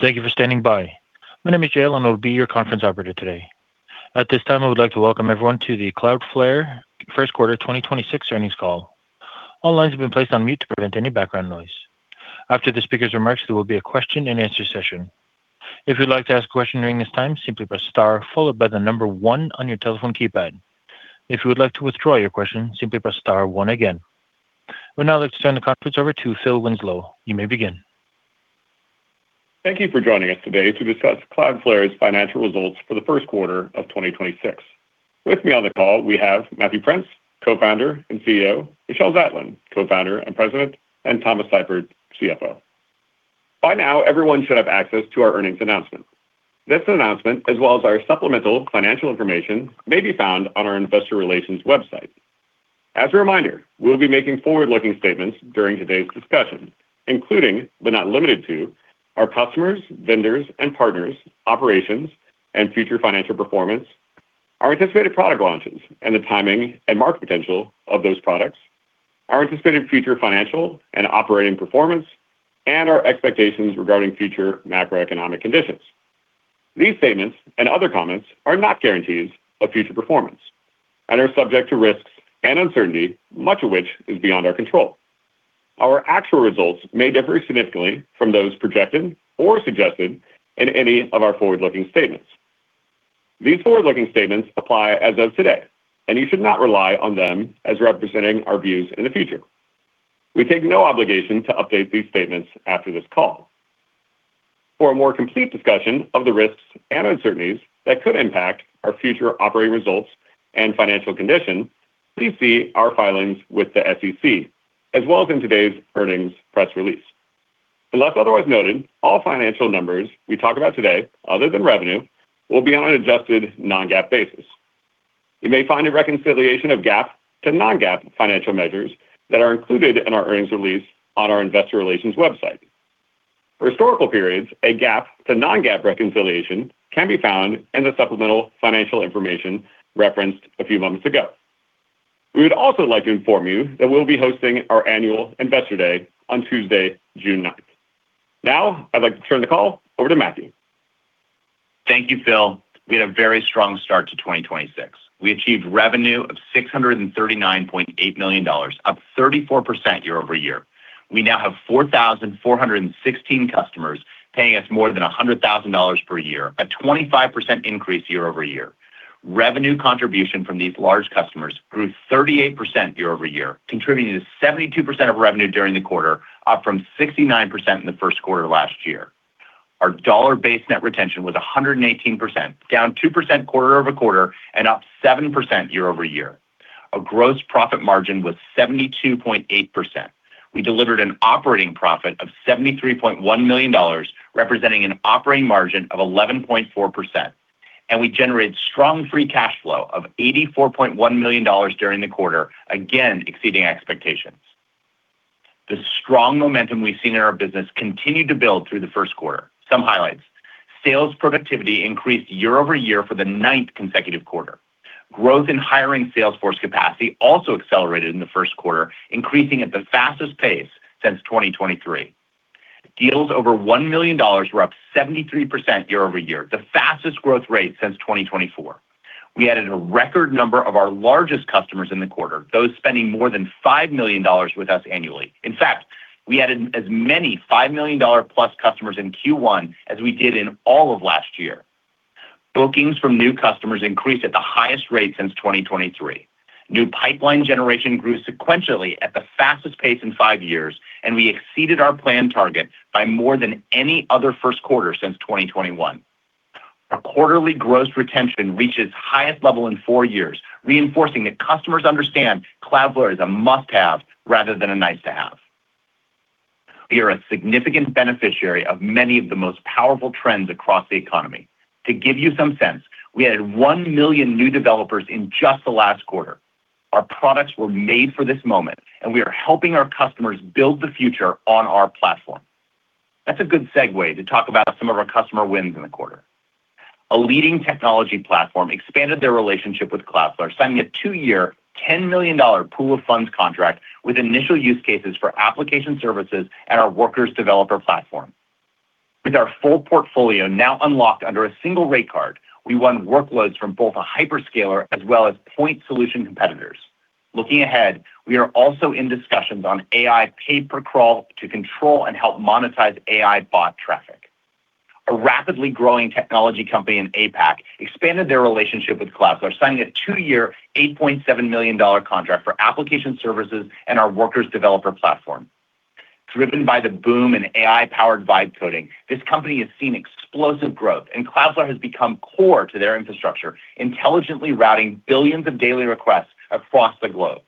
Thank you for standing by. My name is Jay, and I will be your conference operator today. At this time, I would like to welcome everyone to the Cloudflare first quarter 2026 earnings call. All lines have been placed on mute to prevent any background noise. After the speaker's remarks, there will be a question and answer session. If you'd like to ask a question during this time, simply press star followed by the number one on your telephone keypad. If you would like to withdraw your question, simply press star one again. I would now like to turn the conference over to Phil Winslow. You may begin. Thank you for joining us today to discuss Cloudflare's financial results for the first quarter of 2026. With me on the call, we have Matthew Prince, co-founder and CEO, Michelle Zatlyn, co-founder and president, and Thomas Seifert, CFO. By now, everyone should have access to our earnings announcement. This announcement, as well as our supplemental financial information, may be found on our investor relations website. As a reminder, we'll be making forward-looking statements during today's discussion, including, but not limited to, our customers, vendors, and partners, operations, and future financial performance, our anticipated product launches and the timing and market potential of those products, our anticipated future financial and operating performance, and our expectations regarding future macroeconomic conditions. These statements and other comments are not guarantees of future performance and are subject to risks and uncertainty, much of which is beyond our control. Our actual results may differ significantly from those projected or suggested in any of our forward-looking statements. These forward-looking statements apply as of today, and you should not rely on them as representing our views in the future. We take no obligation to update these statements after this call. For a more complete discussion of the risks and uncertainties that could impact our future operating results and financial condition, please see our filings with the SEC, as well as in today's earnings press release. Unless otherwise noted, all financial numbers we talk about today, other than revenue, will be on an adjusted non-GAAP basis. You may find a reconciliation of GAAP to non-GAAP financial measures that are included in our earnings release on our investor relations website. For historical periods, a GAAP to non-GAAP reconciliation can be found in the supplemental financial information referenced a few moments ago. We would also like to inform you that we'll be hosting our annual Investor Day on Tuesday, June 9th. I'd like to turn the call over to Matthew. Thank you, Phil. We had a very strong start to 2026. We achieved revenue of $639.8 million, up 34% year-over-year. We now have 4,416 customers paying us more than $100,000 per year, a 25% increase year-over-year. Revenue contribution from these large customers grew 38% year-over-year, contributing to 72% of revenue during the quarter, up from 69% in the first quarter last year. Our dollar-based net retention was 118%, down 2% quarter-over-quarter and up 7% year-over-year. Our gross profit margin was 72.8%. We delivered an operating profit of $73.1 million, representing an operating margin of 11.4%. We generated strong free cash flow of $84.1 million during the quarter, again exceeding expectations. The strong momentum we've seen in our business continued to build through the first quarter. Some highlights. Sales productivity increased year-over-year for the ninth consecutive quarter. Growth in hiring sales force capacity also accelerated in the first quarter, increasing at the fastest pace since 2023. Deals over $1 million were up 73% year-over-year, the fastest growth rate since 2024. We added a record number of our largest customers in the quarter, those spending more than $5 million with us annually. In fact, we added as many $5 million+ customers in Q1 as we did in all of last year. Bookings from new customers increased at the highest rate since 2023. New pipeline generation grew sequentially at the fastest pace in five years, and we exceeded our planned target by more than any other first quarter since 2021. Our quarterly gross retention reached its highest level in four years, reinforcing that customers understand Cloudflare is a must-have rather than a nice-to-have. We are a significant beneficiary of many of the most powerful trends across the economy. To give you some sense, we added 1 million new developers in just the last quarter. Our products were made for this moment, and we are helping our customers build the future on our platform. That's a good segue to talk about some of our customer wins in the quarter. A leading technology platform expanded their relationship with Cloudflare, signing a two-year, $10 million pool of funds contract with initial use cases for application services and our Workers developer platform. With our full portfolio now unlocked under a single rate card, we won workloads from both a hyperscaler as well as point solution competitors. Looking ahead, we are also in discussions on AI pay-per-crawl to control and help monetize AI bot traffic. A rapidly growing technology company in APAC expanded their relationship with Cloudflare, signing a two-year, $8.7 million contract for application services and our Workers developer platform. Driven by the boom in AI-powered vibe coding, this company has seen explosive growth, and Cloudflare has become core to their infrastructure, intelligently routing billions of daily requests across the globe.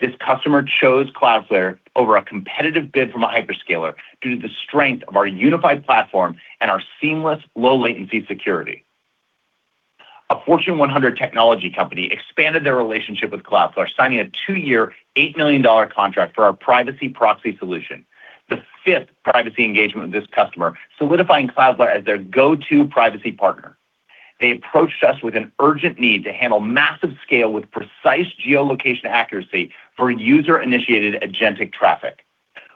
This customer chose Cloudflare over a competitive bid from a hyperscaler due to the strength of our unified platform and our seamless low-latency security. A Fortune 100 technology company expanded their relationship with Cloudflare, signing a two-year, $8 million contract for our Privacy Proxy solution, the fifth privacy engagement with this customer, solidifying Cloudflare as their go-to privacy partner. They approached us with an urgent need to handle massive scale with precise geolocation accuracy for user-initiated agentic traffic.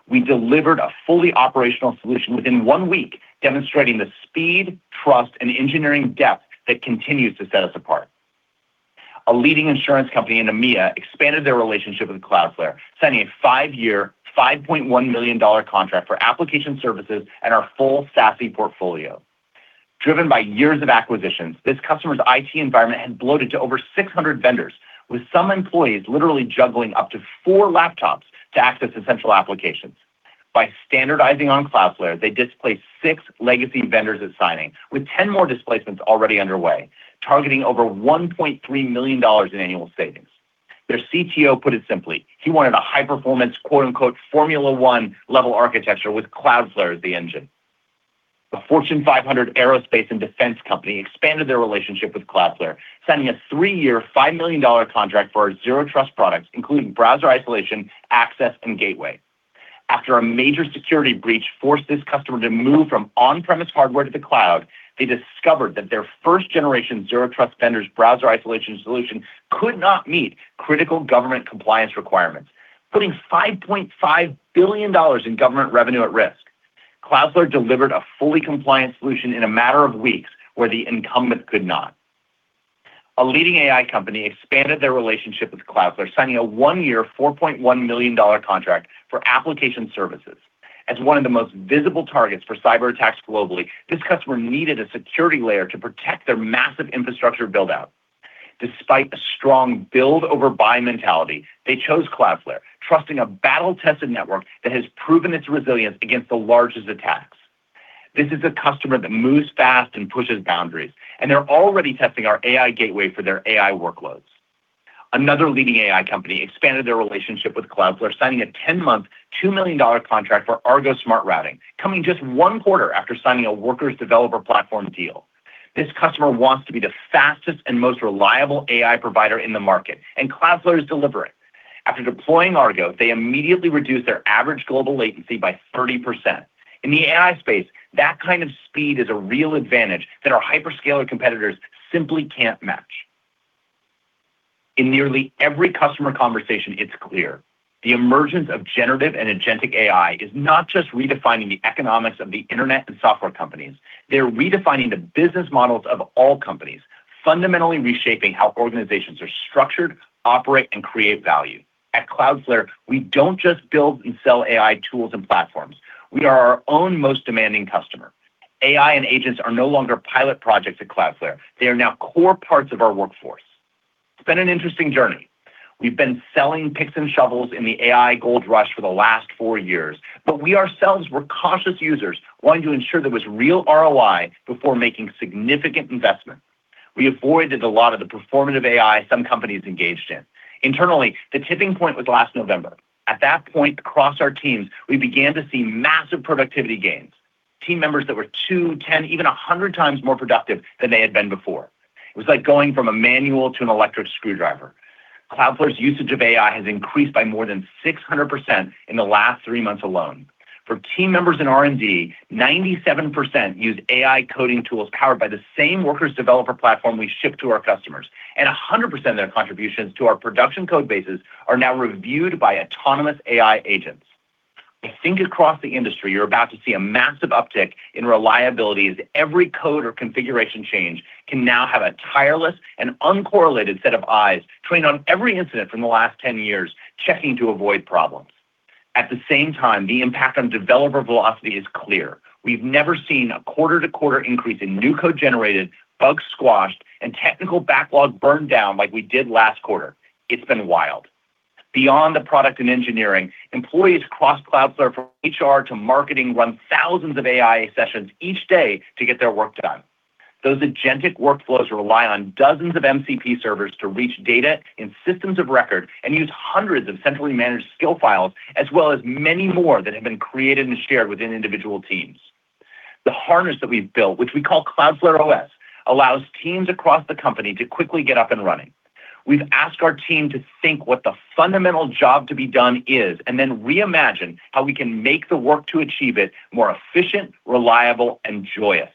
We delivered a fully operational solution within one week, demonstrating the speed, trust, and engineering depth that continues to set us apart. A leading insurance company in EMEA expanded their relationship with Cloudflare, signing a five-year, $5.1 million contract for application services and our full SASE portfolio. Driven by years of acquisitions, this customer's IT environment had bloated to over 600 vendors, with some employees literally juggling up to four laptops to access essential applications. By standardizing on Cloudflare, they displaced six legacy vendors at signing, with 10 more displacements already underway, targeting over $1.3 million in annual savings. Their CTO put it simply, he wanted a high-performance, "Formula One-level architecture with Cloudflare as the engine." A Fortune 500 aerospace and defense company expanded their relationship with Cloudflare, signing a three-year, $5 million contract for our Zero Trust products, including Browser Isolation, access, and Gateway. After a major security breach forced this customer to move from on-premise hardware to the cloud, they discovered that their first-generation Zero Trust vendor's Browser Isolation solution could not meet critical government compliance requirements, putting $5.5 billion in government revenue at risk. Cloudflare delivered a fully compliant solution in a matter of weeks where the incumbent could not. A leading AI company expanded their relationship with Cloudflare, signing a one-year, $4.1 million contract for application services. As one of the most visible targets for cyberattacks globally, this customer needed a security layer to protect their massive infrastructure build-out. Despite a strong build-over-buy mentality, they chose Cloudflare, trusting a battle-tested network that has proven its resilience against the largest attacks. This is a customer that moves fast and pushes boundaries. They're already testing our AI Gateway for their AI workloads. Another leading AI company expanded their relationship with Cloudflare, signing a 10-month, $2 million contract for Argo Smart Routing, coming just one quarter after signing a Workers developer platform deal. This customer wants to be the fastest and most reliable AI provider in the market. Cloudflare is delivering. After deploying Argo, they immediately reduced their average global latency by 30%. In the AI space, that kind of speed is a real advantage that our hyperscaler competitors simply can't match. In nearly every customer conversation, it's clear the emergence of generative and agentic AI is not just redefining the economics of the internet and software companies. They're redefining the business models of all companies, fundamentally reshaping how organizations are structured, operate, and create value. At Cloudflare, we don't just build and sell AI tools and platforms. We are our own most demanding customer. AI and agents are no longer pilot projects at Cloudflare. They are now core parts of our workforce. It's been an interesting journey. We've been selling picks and shovels in the AI gold rush for the last four years, but we ourselves were cautious users wanting to ensure there was real ROI before making significant investments. We avoided a lot of the performative AI some companies engaged in. Internally, the tipping point was last November. At that point, across our teams, we began to see massive productivity gains, team members that were two, 10, even 100 times more productive than they had been before. It was like going from a manual to an electric screwdriver. Cloudflare's usage of AI has increased by more than 600% in the last three months alone. For team members in R&D, 97% use AI coding tools powered by the same Workers developer platform we ship to our customers, and 100% of their contributions to our production code bases are now reviewed by autonomous AI agents. I think across the industry, you're about to see a massive uptick in reliability as every code or configuration change can now have a tireless and uncorrelated set of eyes trained on every incident from the last 10 years, checking to avoid problems. At the same time, the impact on developer velocity is clear. We've never seen a quarter-to-quarter increase in new code generated, bugs squashed, and technical backlog burned down like we did last quarter. It's been wild. Beyond the product and engineering, employees across Cloudflare, from HR to marketing, run thousands of AI sessions each day to get their work done. Those agentic workflows rely on dozens of MCP servers to reach data in systems of record and use hundreds of centrally managed skill files, as well as many more that have been created and shared within individual teams. The harness that we've built, which we call Cloudflare OS, allows teams across the company to quickly get up and running. We've asked our team to think what the fundamental job to be done is and then reimagine how we can make the work to achieve it more efficient, reliable, and joyous.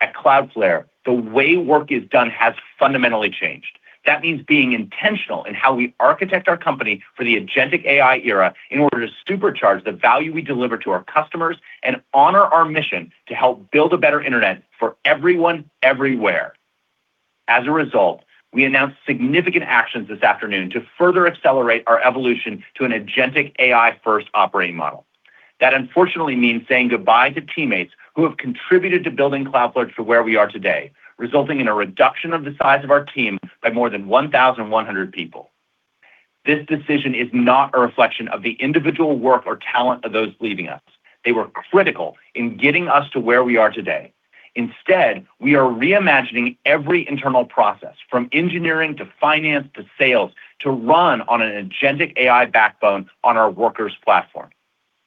At Cloudflare, the way work is done has fundamentally changed. That means being intentional in how we architect our company for the agentic AI era in order to supercharge the value we deliver to our customers and honor our mission to help build a better internet for everyone, everywhere. As a result, we announced significant actions this afternoon to further accelerate our evolution to an agentic AI-first operating model. That unfortunately means saying goodbye to teammates who have contributed to building Cloudflare to where we are today, resulting in a reduction of the size of our team by more than 1,100 people. This decision is not a reflection of the individual work or talent of those leaving us. They were critical in getting us to where we are today. Instead, we are reimagining every internal process, from engineering to finance to sales, to run on an agentic AI backbone on our Workers platform.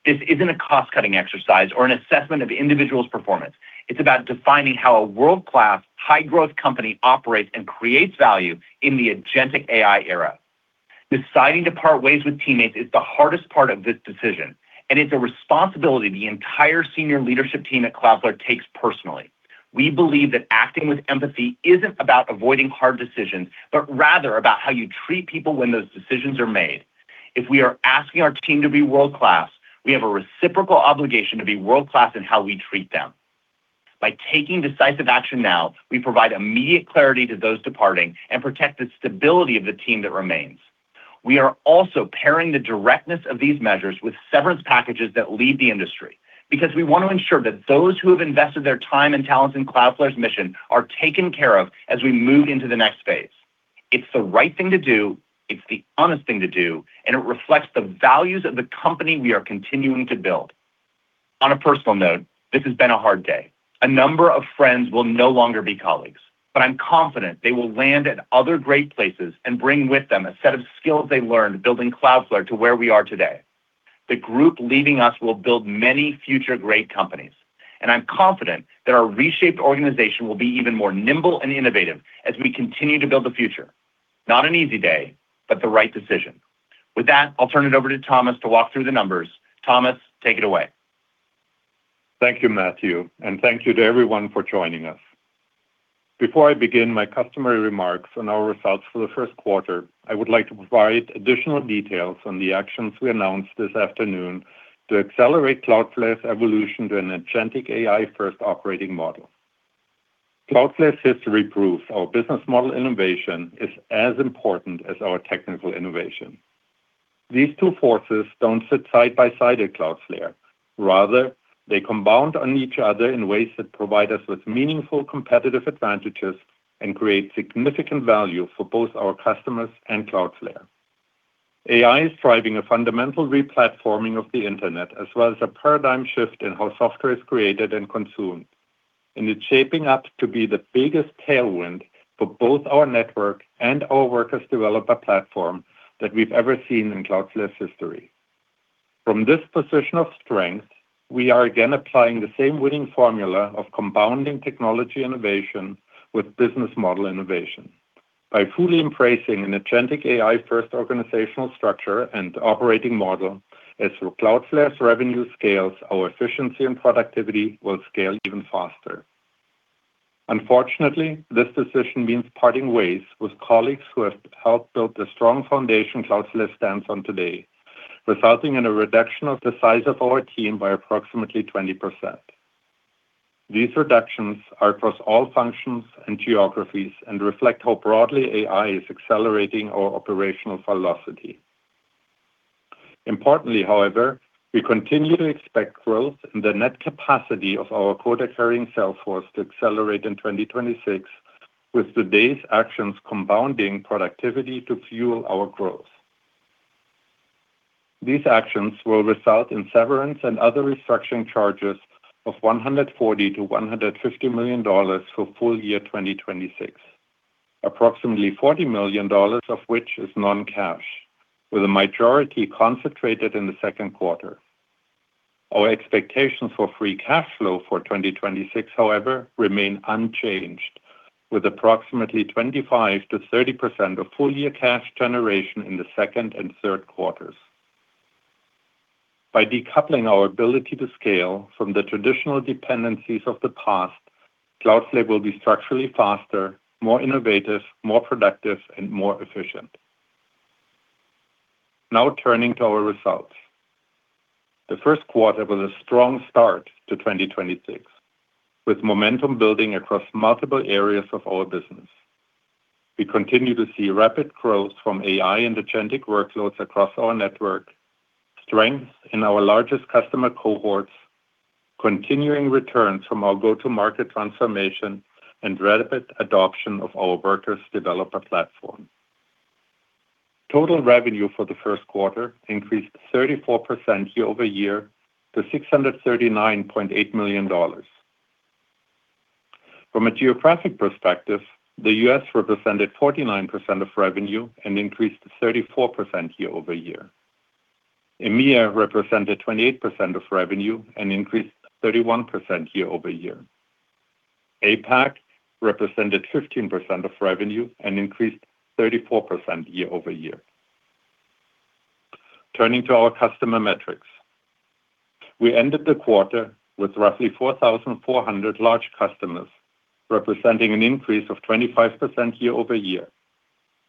This isn't a cost-cutting exercise or an assessment of individuals' performance. It's about defining how a world-class, high-growth company operates and creates value in the agentic AI era. Deciding to part ways with teammates is the hardest part of this decision, and it's a responsibility the entire senior leadership team at Cloudflare takes personally. We believe that acting with empathy isn't about avoiding hard decisions, but rather about how you treat people when those decisions are made. If we are asking our team to be world-class, we have a reciprocal obligation to be world-class in how we treat them. By taking decisive action now, we provide immediate clarity to those departing and protect the stability of the team that remains. We are also pairing the directness of these measures with severance packages that lead the industry, because we want to ensure that those who have invested their time and talents in Cloudflare's mission are taken care of as we move into the next phase. It's the right thing to do, it's the honest thing to do, and it reflects the values of the company we are continuing to build. On a personal note, this has been a hard day. A number of friends will no longer be colleagues, but I'm confident they will land at other great places and bring with them a set of skills they learned building Cloudflare to where we are today. The group leaving us will build many future great companies, and I'm confident that our reshaped organization will be even more nimble and innovative as we continue to build the future. Not an easy day, but the right decision. With that, I'll turn it over to Thomas to walk through the numbers. Thomas, take it away. Thank you, Matthew, and thank you to everyone for joining us. Before I begin my customary remarks on our results for the first quarter, I would like to provide additional details on the actions we announced this afternoon to accelerate Cloudflare's evolution to an agentic AI-first operating model. Cloudflare's history proves our business model innovation is as important as our technical innovation. These two forces don't sit side by side at Cloudflare. Rather, they compound on each other in ways that provide us with meaningful competitive advantages and create significant value for both our customers and Cloudflare. AI is driving a fundamental re-platforming of the Internet, as well as a paradigm shift in how software is created and consumed, and it's shaping up to be the biggest tailwind for both our network and our Workers developer platform that we've ever seen in Cloudflare's history. From this position of strength, we are again applying the same winning formula of compounding technology innovation with business model innovation. By fully embracing an Agentic AI-first organizational structure and operating model, as Cloudflare's revenue scales, our efficiency and productivity will scale even faster. Unfortunately, this decision means parting ways with colleagues who have helped build the strong foundation Cloudflare stands on today, resulting in a reduction of the size of our team by approximately 20%. These reductions are across all functions and geographies and reflect how broadly AI is accelerating our operational velocity. Importantly, however, we continue to expect growth in the net capacity of our quota-carrying sales force to accelerate in 2026, with today's actions compounding productivity to fuel our growth. These actions will result in severance and other restructuring charges of $140 million-$150 million for full year 2026, approximately $40 million of which is non-cash, with the majority concentrated in the second quarter. Our expectations for free cash flow for 2026, however, remain unchanged, with approximately 25%-30% of full-year cash generation in the second and third quarters. By decoupling our ability to scale from the traditional dependencies of the past, Cloudflare will be structurally faster, more innovative, more productive, and more efficient. Turning to our results. The first quarter was a strong start to 2026, with momentum building across multiple areas of our business. We continue to see rapid growth from AI and Agentic workloads across our network, strength in our largest customer cohorts, continuing returns from our go-to-market transformation, and rapid adoption of our Workers developer platform. Total revenue for the first quarter increased 34% year-over-year to $639.8 million. From a geographic perspective, the U.S. represented 49% of revenue and increased 34% year-over-year. EMEA represented 28% of revenue and increased 31% year-over-year. APAC represented 15% of revenue and increased 34% year-over-year. Turning to our customer metrics. We ended the quarter with roughly 4,400 large customers, representing an increase of 25% year-over-year.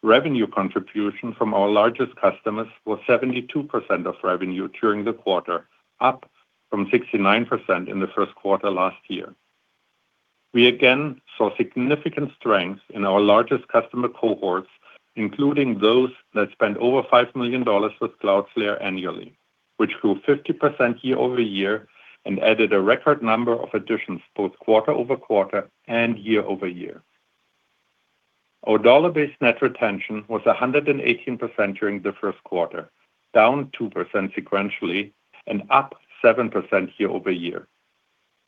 Revenue contribution from our largest customers was 72% of revenue during the quarter, up from 69% in the first quarter last year. We again saw significant strength in our largest customer cohorts, including those that spend over $5 million with Cloudflare annually, which grew 50% year-over-year and added a record number of additions both quarter-over-quarter and year-over-year. Our dollar-based net retention was 118% during the first quarter, down 2% sequentially and up 7% year-over-year.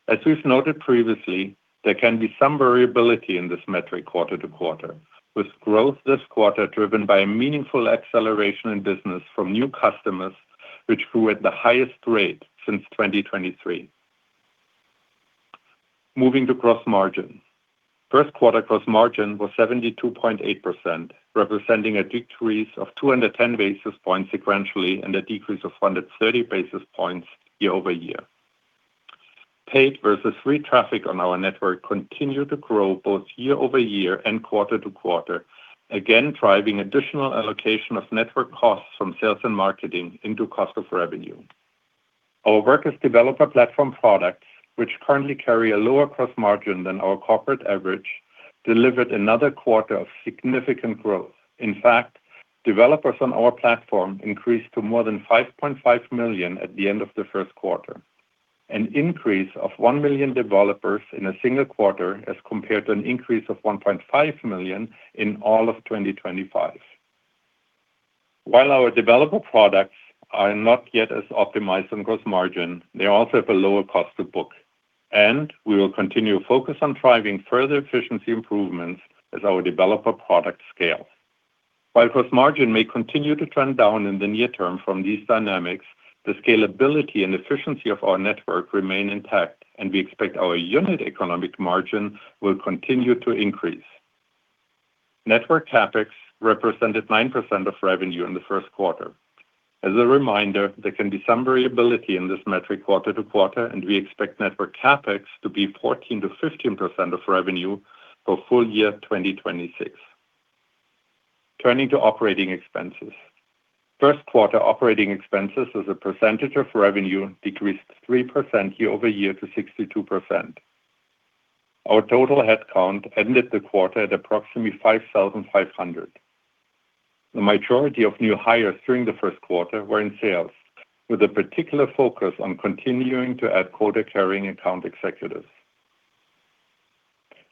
As we've noted previously, there can be some variability in this metric quarter-to-quarter, with growth this quarter driven by a meaningful acceleration in business from new customers, which grew at the highest rate since 2023. Moving to gross margin. First quarter gross margin was 72.8%, representing a decrease of 210 basis points sequentially, and a decrease of 130 basis points year-over-year. Paid versus free traffic on our network continued to grow both year-over-year and quarter-to-quarter, again driving additional allocation of network costs from sales and marketing into cost of revenue. Our Workers developer platform products, which currently carry a lower gross margin than our corporate average, delivered another quarter of significant growth. Developers on our platform increased to more than 5.5 million at the end of the first quarter. An increase of 1 million developers in a single quarter as compared to an increase of 1.5 million in all of 2025. Our developer products are not yet as optimized on gross margin, they also have a lower cost to book, and we will continue to focus on driving further efficiency improvements as our developer product scale. While gross margin may continue to trend down in the near term from these dynamics, the scalability and efficiency of our network remain intact, and we expect our unit economic margin will continue to increase. Network CapEx represented 9% of revenue in the first quarter. As a reminder, there can be some variability in this metric quarter to quarter, and we expect network CapEx to be 14%-15% of revenue for full year 2026. Turning to operating expenses. First quarter operating expenses as a percentage of revenue decreased 3% year-over-year to 62%. Our total headcount ended the quarter at approximately 5,500. The majority of new hires during the first quarter were in sales, with a particular focus on continuing to add quota-carrying account executives.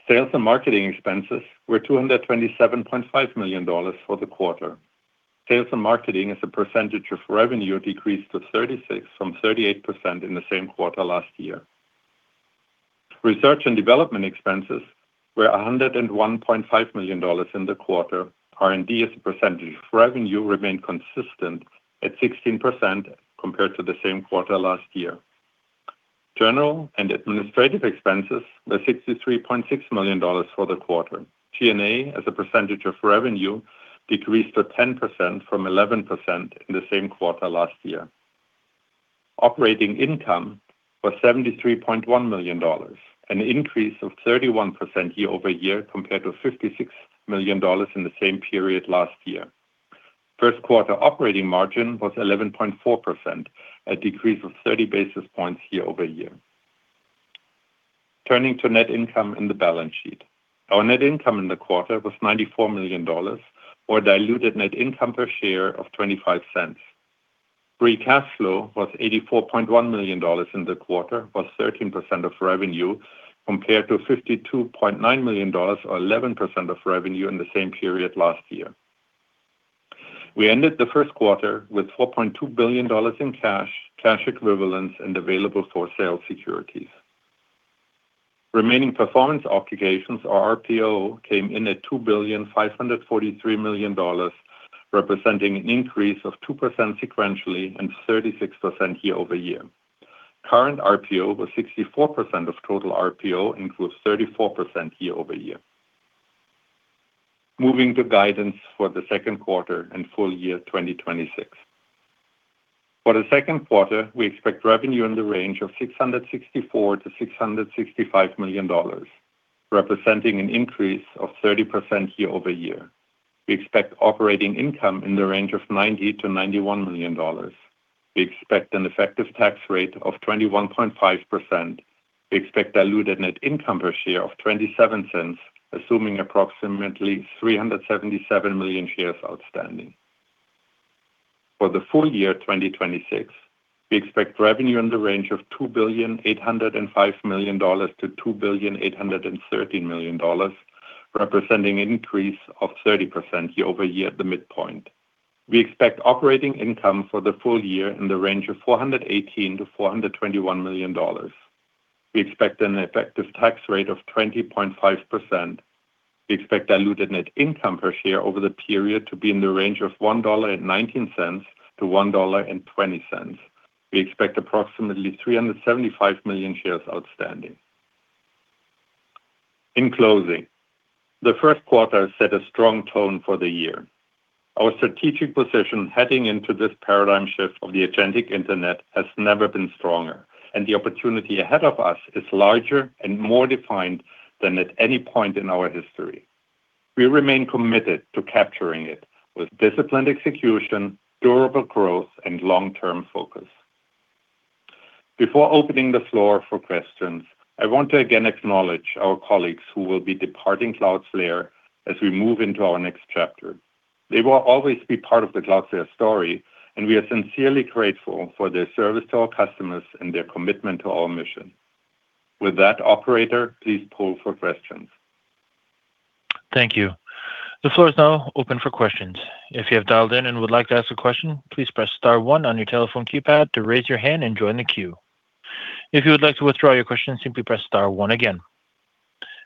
Sales and marketing expenses were $227.5 million for the quarter. Sales and marketing as a percentage of revenue decreased to 36% from 38% in the same quarter last year. Research and Development expenses were $101.5 million in the quarter. R&D as a percentage of revenue remained consistent at 16% compared to the same quarter last year. General and Administrative expenses were $63.6 million for the quarter. G&A as a percentage of revenue decreased to 10% from 11% in the same quarter last year. Operating income was $73.1 million, an increase of 31% year-over-year compared to $56 million in the same period last year. First quarter operating margin was 11.4%, a decrease of 30 basis points year-over-year. Turning to net income in the balance sheet. Our net income in the quarter was $94 million or diluted net income per share of $0.25. Free cash flow was $84.1 million in the quarter, was 13% of revenue compared to $52.9 million or 11% of revenue in the same period last year. We ended the first quarter with $4.2 billion in cash equivalents, and available for sale securities. Remaining performance obligations or RPO came in at $2.543 billion, representing an increase of 2% sequentially and 36% year-over-year. Current RPO was 64% of total RPO, includes 34% year-over-year. Moving to guidance for the second quarter and full year 2026. For the second quarter, we expect revenue in the range of $664 million-$665 million, representing an increase of 30% year-over-year. We expect operating income in the range of $90 million-$91 million. We expect an effective tax rate of 21.5%. We expect diluted net income per share of $0.27, assuming approximately 377 million shares outstanding. For the full year 2026, we expect revenue in the range of $2.805 billion-$2.813 billion, representing an increase of 30% year-over-year at the midpoint. We expect operating income for the full year in the range of $418 million-$421 million. We expect an effective tax rate of 20.5%. We expect diluted net income per share over the period to be in the range of $1.19-$1.20. We expect approximately 375 million shares outstanding. In closing, the first quarter set a strong tone for the year. Our strategic position heading into this paradigm shift of the Agentic Internet has never been stronger, and the opportunity ahead of us is larger and more defined than at any point in our history. We remain committed to capturing it with disciplined execution, durable growth, and long-term focus. Before opening the floor for questions, I want to again acknowledge our colleagues who will be departing Cloudflare as we move into our next chapter. They will always be part of the Cloudflare story, and we are sincerely grateful for their service to our customers and their commitment to our mission. With that, operator, please poll for questions. Thank you. The floor is now open for questions. If you have dialed in and would like to ask a question, please press star one on your telephone keypad to raise your hand and join the queue. If you would like to withdraw your question, simply press star one again.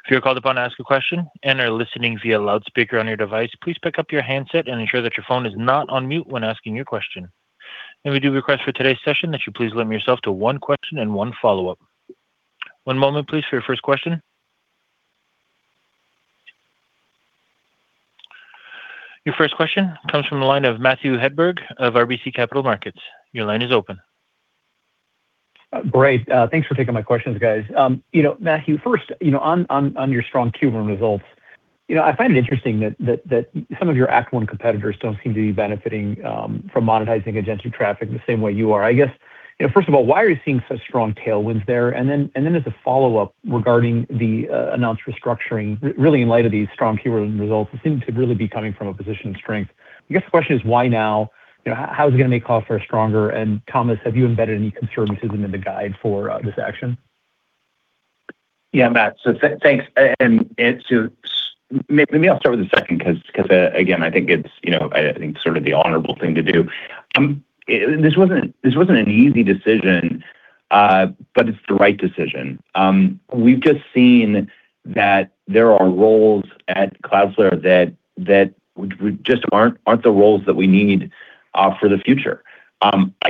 If you're called upon to ask a question and are listening via loudspeaker on your device, please pick up your handset and ensure that your phone is not on mute when asking your question. We do request for today's session that you please limit yourself to one question and one follow-up. One moment please for your first question. Your first question comes from the line of Matthew Hedberg of RBC Capital Markets. Your line is open. Great. Thanks for taking my questions, guys. You know, Matthew, first, you know, on your strong Q1 results, you know, I find it interesting that some of your Act One competitors don't seem to be benefiting from monetizing agentic traffic the same way you are. I guess, you know, first of all, why are you seeing such strong tailwinds there? Then as a follow-up regarding the announced restructuring, really in light of these strong Q1 results, it seemed to really be coming from a position of strength. I guess the question is why now? You know, how is it gonna make Cloudflare stronger? Thomas, have you embedded any conservatism into the guide for this action? Yeah, Matt, thanks. Maybe I'll start with the second 'cause, again, I think it's, you know, I think sort of the honorable thing to do. This wasn't an easy decision, but it's the right decision. We've just seen that there are roles at Cloudflare that just aren't the roles that we need for the future.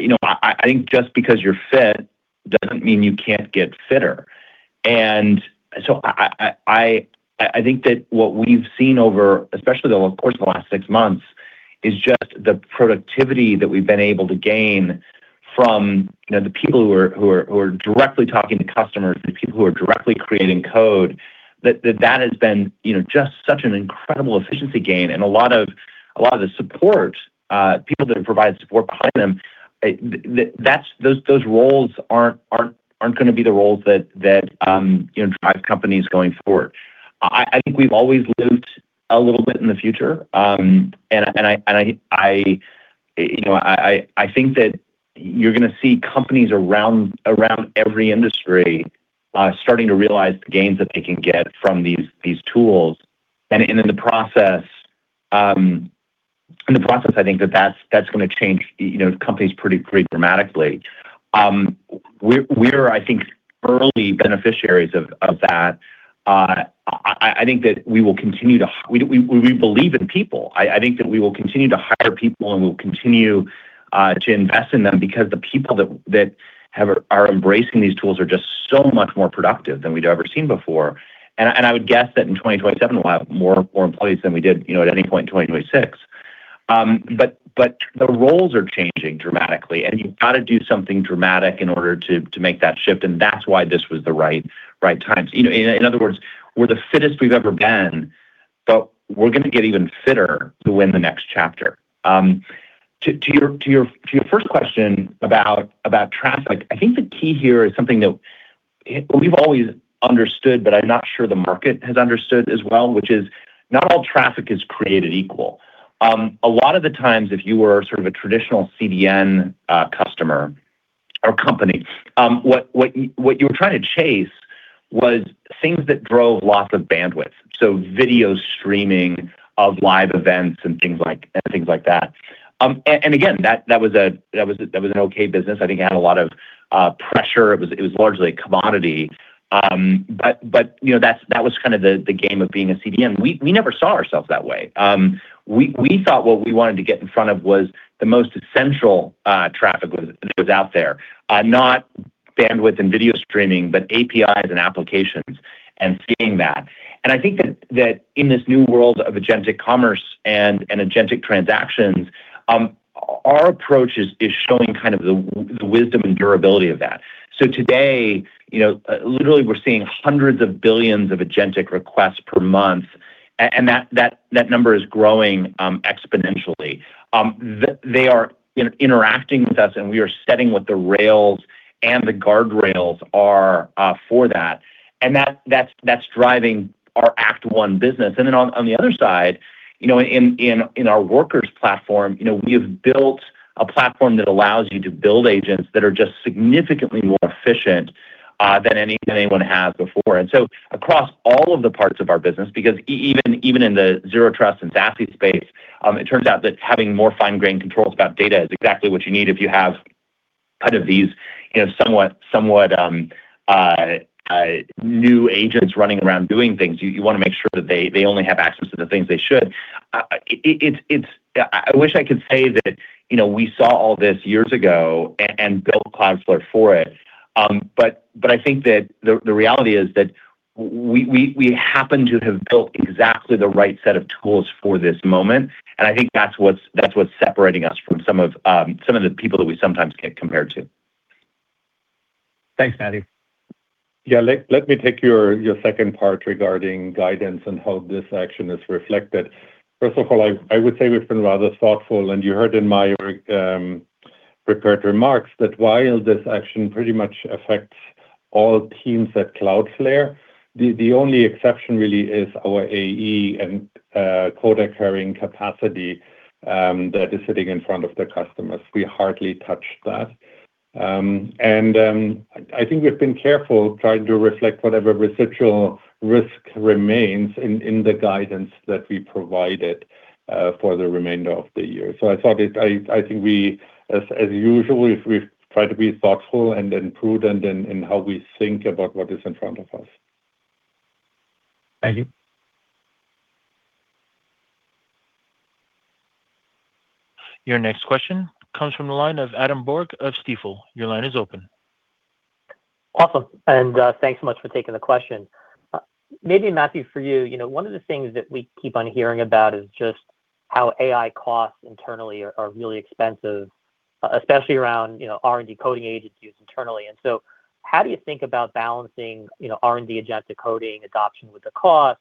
You know, I think just because you're fit doesn't mean you can't get fitter. I think that what we've seen over, especially though, of course, the last six months, is just the productivity that we've been able to gain from, you know, the people who are directly talking to customers, the people who are directly creating code, that has been, you know, just such an incredible efficiency gain. A lot of the support people that provide support behind them, those roles aren't going to be the roles that, you know, drive companies going forward. I think we've always lived a little bit in the future. I, you know, I think that you're going to see companies around every industry starting to realize the gains that they can get from these tools. In the process, I think that's going to change, you know, companies pretty dramatically. We're I think, early beneficiaries of that. I think that we will continue to believe in people. I think that we will continue to hire people, and we'll continue to invest in them because the people that are embracing these tools are just so much more productive than we'd ever seen before. I would guess that in 2027 we'll have more employees than we did, you know, at any point in 2026. The roles are changing dramatically, and you've got to do something dramatic in order to make that shift, and that's why this was the right time. You know, in other words, we're the fittest we've ever been, but we're gonna get even fitter to win the next chapter. To your first question about traffic, I think the key here is something that we've always understood, but I'm not sure the market has understood as well, which is not all traffic is created equal. A lot of the times, if you were sort of a traditional CDN customer or company, what you were trying to chase was things that drove lots of bandwidth, so video streaming of live events and things like that. And again, that was an okay business. I think it had a lot of pressure. It was largely a commodity. But, you know, that was kind of the game of being a CDN. We never saw ourselves that way. We thought what we wanted to get in front of was the most essential traffic that was out there, not bandwidth and video streaming, but APIs and applications and seeing that. I think that in this new world of agentic commerce and agentic transactions, our approach is showing kind of the wisdom and durability of that. Today, you know, literally, we're seeing hundreds of billions of agentic requests per month, and that number is growing exponentially. They are interacting with us, and we are setting what the rails and the guardrails are for that. That's driving our Act One business. On the other side, you know, in our Workers platform, you know, we have built a platform that allows you to build agents that are just significantly more efficient than anyone has before. Across all of the parts of our business, because even in the Zero Trust and SASE space, it turns out that having more fine-grained controls about data is exactly what you need if you have kind of these, you know, somewhat new agents running around doing things. You wanna make sure that they only have access to the things they should. I wish I could say that, you know, we saw all this years ago and built Cloudflare for it. I think that the reality is that we happen to have built exactly the right set of tools for this moment, and I think that's what's separating us from some of the people that we sometimes get compared to. Thanks, Matthew. Yeah, let me take your second part regarding guidance and how this action is reflected. First of all, I would say we've been rather thoughtful, and you heard in my prepared remarks that while this action pretty much affects all teams at Cloudflare, the only exception really is our AE and quota-carrying capacity that is sitting in front of the customers. We hardly touch that. And I think we've been careful trying to reflect whatever residual risk remains in the guidance that we provided for the remainder of the year. I think we, as usual, we've tried to be thoughtful and prudent in how we think about what is in front of us. Thank you. Your next question comes from the line of Adam Borg of Stifel. Your line is open. Awesome. Thanks so much for taking the question. Maybe Matthew for you know, one of the things that we keep on hearing about is just how AI costs internally are really expensive, especially around, you know, R&D coding agents used internally. How do you think about balancing, you know, R&D agentic coding adoption with the cost?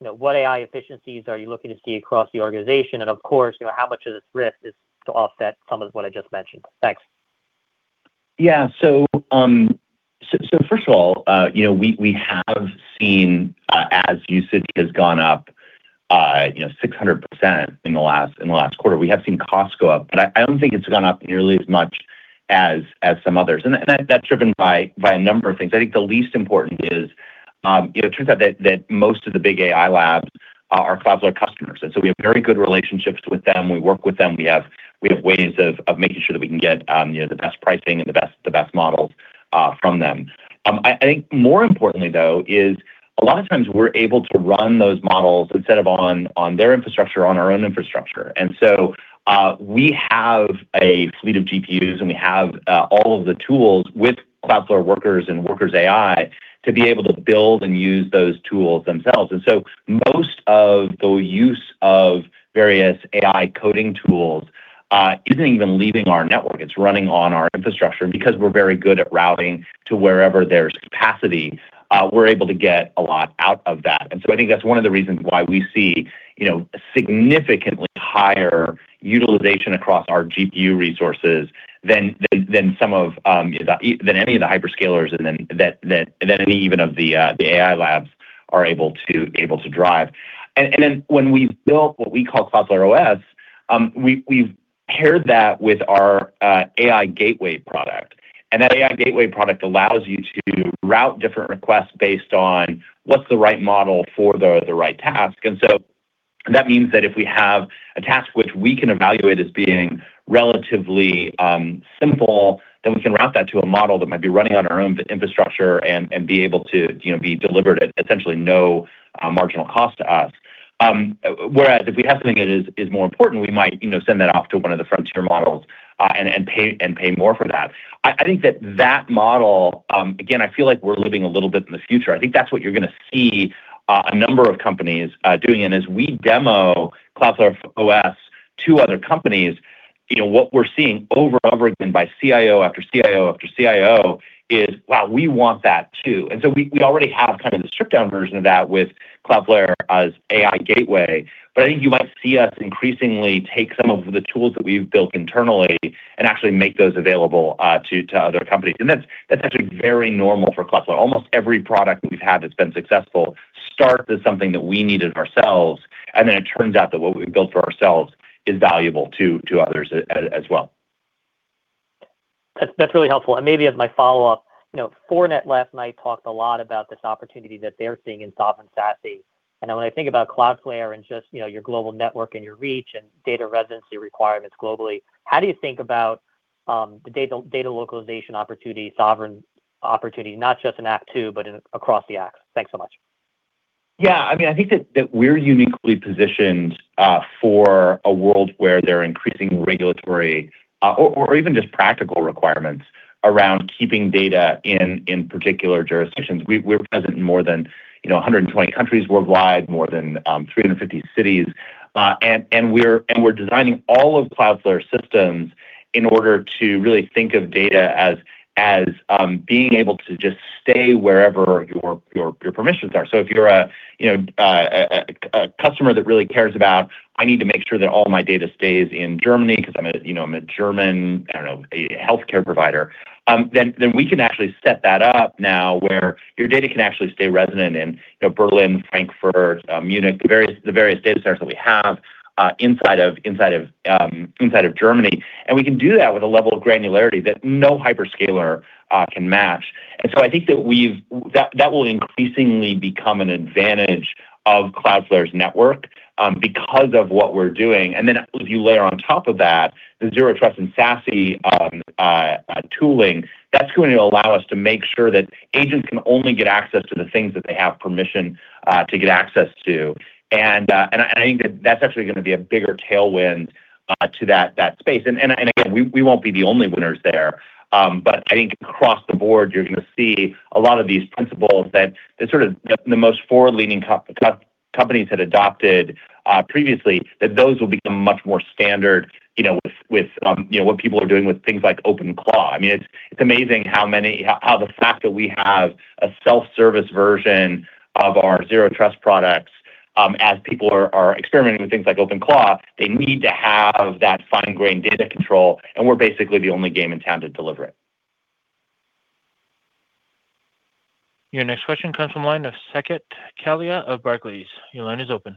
You know, what AI efficiencies are you looking to see across the organization? Of course, you know, how much of this risk is to offset some of what I just mentioned? Thanks. Yeah. First of all, you know, we have seen, as usage has gone up, you know, 600% in the last quarter, we have seen costs go up, but I don't think it's gone up nearly as much as some others. That's driven by a number of things. I think the least important is, you know, it turns out that most of the big AI labs are Cloudflare customers, and so we have very good relationships with them. We work with them. We have ways of making sure that we can get, you know, the best pricing and the best models from them. I think more importantly though is a lot of times we're able to run those models instead of on their infrastructure, on our own infrastructure. We have a fleet of GPUs, and we have all of the tools with Cloudflare Workers and Workers AI to be able to build and use those tools themselves. Most of the use of various AI coding tools, isn't even leaving our network. It's running on our infrastructure because we're very good at routing to wherever there's capacity, we're able to get a lot out of that. I think that's one of the reasons why we see, you know, significantly higher utilization across our GPU resources than some of than any of the hyperscalers and then than any even of the AI labs are able to drive. Then when we built what we call Cloudflare OS, we've paired that with our AI Gateway product, and that AI Gateway product allows you to route different requests based on what's the right model for the right task. That means that if we have a task which we can evaluate as being relatively simple, then we can route that to a model that might be running on our own infrastructure and be able to, you know, be delivered at essentially no marginal cost to us. Whereas if we have something that is more important, we might, you know, send that off to one of the frontier models and pay more for that. I think that that model, again, I feel like we're living a little bit in the future. I think that's what you're gonna see a number of companies doing. As we demo Cloudflare OS to other companies, you know, what we're seeing over and over again by CIO after CIO after CIO is, "Wow, we want that too." We already have kind of the stripped down version of that with Cloudflare AI Gateway, but I think you might see us increasingly take some of the tools that we've built internally and actually make those available to other companies. That's actually very normal for Cloudflare. Almost every product that we've had that's been successful starts as something that we needed ourselves, and then it turns out that what we've built for ourselves is valuable to others as well. That's really helpful. Maybe as my follow-up, you know, Fortinet last night talked a lot about this opportunity that they're seeing in Zero Trust and SASE. When I think about Cloudflare and just, you know, your global network and your reach and data residency requirements globally, how do you think about the data localization opportunity, sovereign opportunity, not just in Act Two, but across the acts? Thanks so much. Yeah. I mean, I think that we're uniquely positioned for a world where they're increasing regulatory or even just practical requirements around keeping data in particular jurisdictions. We're present in more than, you know, 120 countries worldwide, more than 350 cities. We're designing all of Cloudflare's systems in order to really think of data as being able to just stay wherever your permissions are. If you're a, you know, a customer that really cares about, I need to make sure that all my data stays in Germany because I'm a, you know, I'm a German, I don't know, a healthcare provider, then we can actually set that up now where your data can actually stay resident in, you know, Berlin, Frankfurt, Munich, the various data centers that we have inside of Germany. We can do that with a level of granularity that no hyperscaler can match. I think that will increasingly become an advantage of Cloudflare's network because of what we're doing. Then if you layer on top of that the Zero Trust and SASE tooling, that's going to allow us to make sure that agents can only get access to the things that they have permission to get access to. I think that that's actually gonna be a bigger tailwind to that space. Again, we won't be the only winners there. I think across the board you're gonna see a lot of these principles that the sort of the most forward-leaning companies had adopted previously, that those will become much more standard, you know, with, you know, what people are doing with things like OpenClaw. I mean, it's amazing how many how the fact that we have a self-service version of our Zero Trust products, as people are experimenting with things like OpenClaw, they need to have that fine-grained data control, and we're basically the only game in town to deliver it. Your next question comes from line of Saket Kalia of Barclays. Your line is open.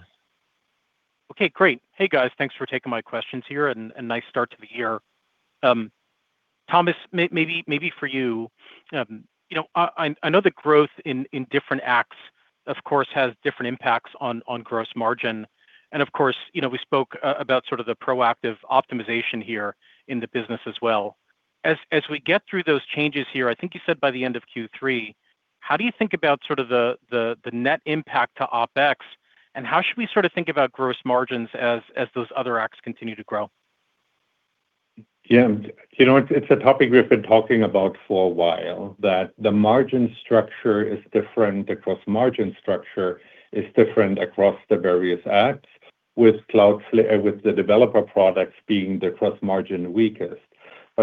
Okay, great. Hey, guys. Thanks for taking my questions here, and a nice start to the year. Thomas, maybe for you. You know, I know the growth in different acts, of course, has different impacts on gross margin. Of course, you know, we spoke about sort of the proactive optimization here in the business as well. As we get through those changes here, I think you said by the end of Q3, how do you think about sort of the net impact to OpEx, and how should we sort of think about gross margins as those other acts continue to grow? Yeah. You know what? It's a topic we have been talking about for a while, that the margin structure is different. The cross-margin structure is different across the various Acts with Cloudflare, with the developer products being the cross-margin weakest.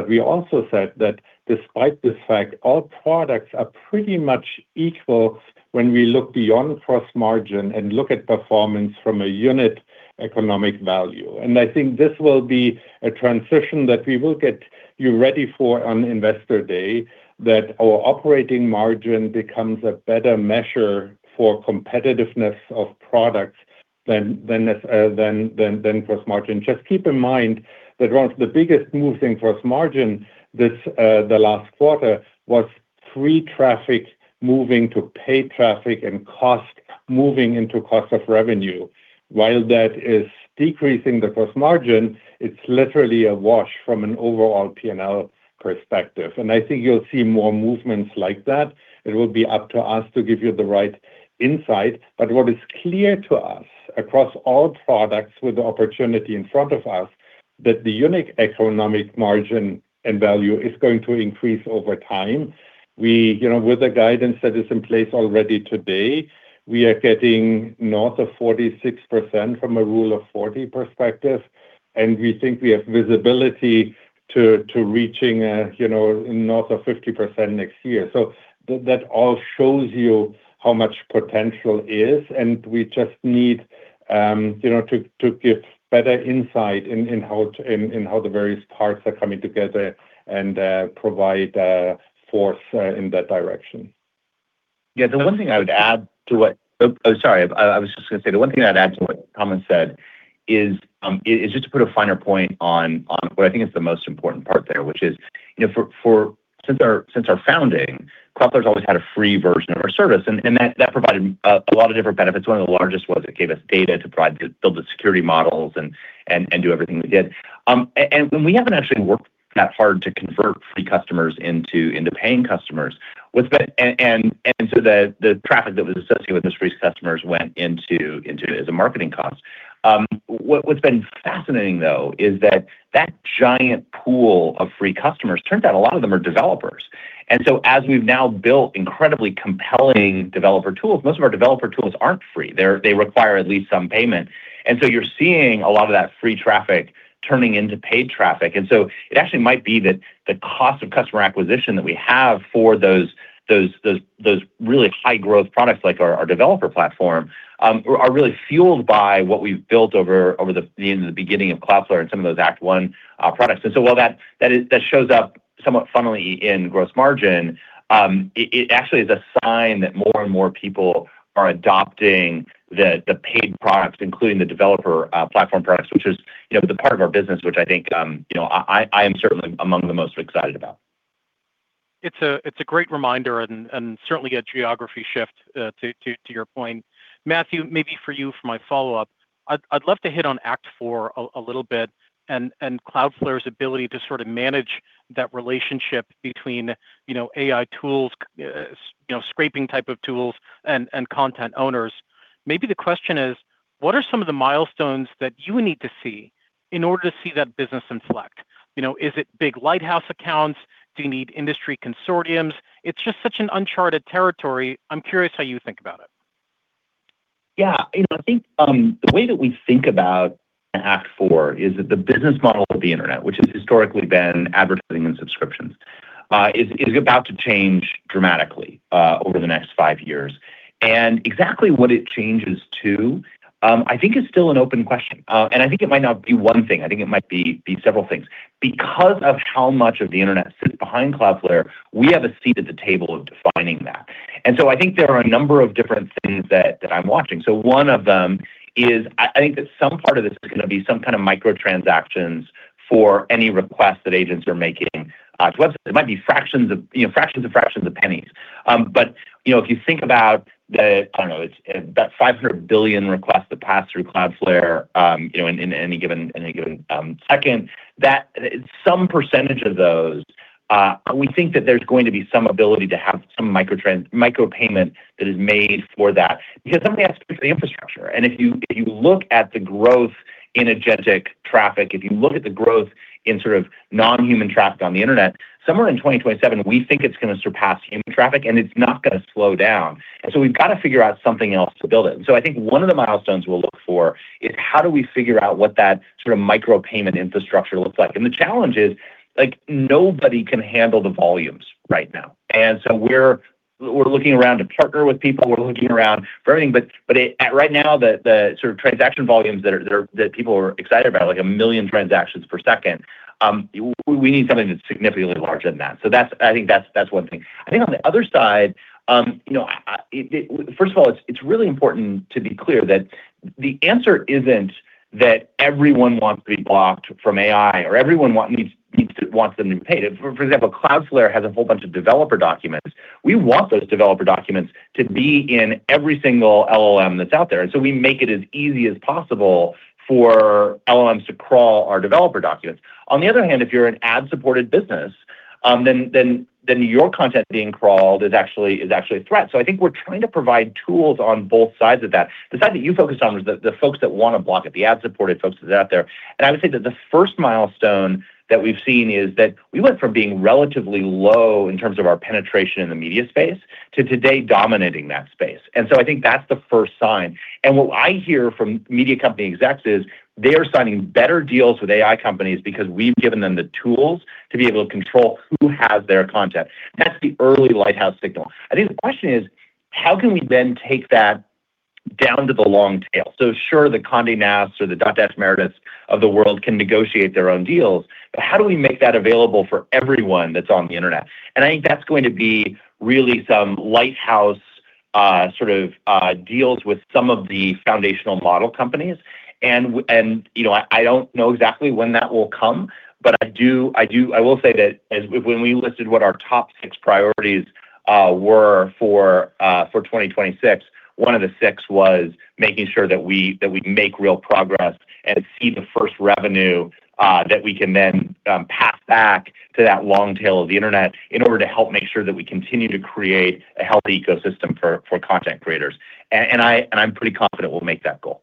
We also said that despite this fact, all products are pretty much equal when we look beyond cross-margin and look at performance from a unit economic value. I think this will be a transition that we will get you ready for on Investor Day, that our operating margin becomes a better measure for competitiveness of products than cross-margin. Just keep in mind that one of the biggest moving cross-margin this the last quarter was free traffic moving to paid traffic and cost moving into cost of revenue. While that is decreasing the cross-margin, it's literally a wash from an overall P&L perspective. I think you'll see more movements like that. It will be up to us to give you the right insight. What is clear to us across all products with the opportunity in front of us, that the unique economic margin and value is going to increase over time. We, you know, with the guidance that is in place already today, we are getting north of 46% from a Rule of 40 perspective, and we think we have visibility to reaching, you know, north of 50% next year. That all shows you how much potential is, and we just need, you know, to give better insight in how the various parts are coming together and provide force in that direction. Yeah. The one thing I would add to what I was just going to say, the one thing I'd add to what Thomas said is just to put a finer point on what I think is the most important part there, which is, you know, since our founding, Cloudflare's always had a free version of our service, that provided a lot of different benefits. One of the largest was it gave us data to build the security models and do everything we did. We haven't actually worked that hard to convert free customers into paying customers. The traffic that was associated with those free customers went into as a marketing cost. What's been fascinating, though, is that giant pool of free customers, turns out a lot of them are developers. As we've now built incredibly compelling developer tools, most of our developer tools aren't free. They require at least some payment. You're seeing a lot of that free traffic turning into paid traffic. It actually might be that the cost of customer acquisition that we have for those really high growth products like our developer platform, are really fueled by what we've built over the, you know, the beginning of Cloudflare and some of those Act One products. While that shows up somewhat funnily in gross margin, it actually is a sign that more and more people are adopting the paid products, including the developer platform products, which is, you know, the part of our business which I think, you know, I am certainly among the most excited about. It's a great reminder and certainly a geography shift to your point. Matthew, maybe for you for my follow-up, I'd love to hit on Act Four a little bit and Cloudflare's ability to sort of manage that relationship between, you know, AI tools, you know, scraping type of tools and content owners. The question is: What are some of the milestones that you need to see in order to see that business inflect? You know, is it big lighthouse accounts? Do you need industry consortiums? It's just such an uncharted territory. I'm curious how you think about it. Yeah. You know, I think the way that we think about Act Four is that the business model of the internet, which has historically been advertising and subscriptions, is about to change dramatically over the next five years. Exactly what it changes to, I think is still an open question. I think it might not be one thing, I think it might be several things. Because of how much of the internet sits behind Cloudflare, we have a seat at the table of defining that. I think there are a number of different things that I'm watching. One of them is I think that some part of this is gonna be some kind of microtransactions for any request that agents are making to websites. It might be fractions of, you know, fractions of fractions of pennies. You know, if you think about the 500 billion requests that pass through Cloudflare, you know, in any given, any given second, that some percentage of those, we think that there's going to be some ability to have some micropayment that is made for that because somebody has to pay for the infrastructure. If you look at the growth in agentic traffic, if you look at the growth in sort of non-human traffic on the internet, somewhere in 2027, we think it's gonna surpass human traffic, it's not gonna slow down. We've got to figure out something else to build it. I think one of the milestones we'll look for is how do we figure out what that sort of micro payment infrastructure looks like? The challenge is, like, nobody can handle the volumes right now. We're looking around to partner with people. We're looking around for everything. At right now, the sort of transaction volumes that are that people are excited about, like 1 million transactions per second, we need something that's significantly larger than that. I think that's one thing. On the other side, you know, First of all, it's really important to be clear that the answer isn't that everyone wants to be blocked from AI or everyone wants them to be paid. For example, Cloudflare has a whole bunch of developer documents. We want those developer documents to be in every single LLM that's out there. We make it as easy as possible for LLMs to crawl our developer documents. On the other hand, if you're an ad-supported business, then your content being crawled is actually a threat. I think we're trying to provide tools on both sides of that. The side that you focused on was the folks that wanna block it, the ad-supported folks that are out there. I would say that the first milestone that we've seen is that we went from being relatively low in terms of our penetration in the media space to today dominating that space. I think that's the first sign. What I hear from media company execs is they are signing better deals with AI companies because we've given them the tools to be able to control who has their content. That's the early lighthouse signal. I think the question is: How can we then take that down to the long tail? Sure, the Condé Nast or the Dotdash Meredith of the world can negotiate their own deals, but how do we make that available for everyone that's on the internet? I think that's going to be really some lighthouse, sort of, deals with some of the foundational model companies. You know, I don't know exactly when that will come, but I will say that when we listed what our top six priorities were for 2026, one of the six was making sure that we make real progress and see the first revenue that we can then pass back to that long tail of the internet in order to help make sure that we continue to create a healthy ecosystem for content creators. I'm pretty confident we'll make that goal.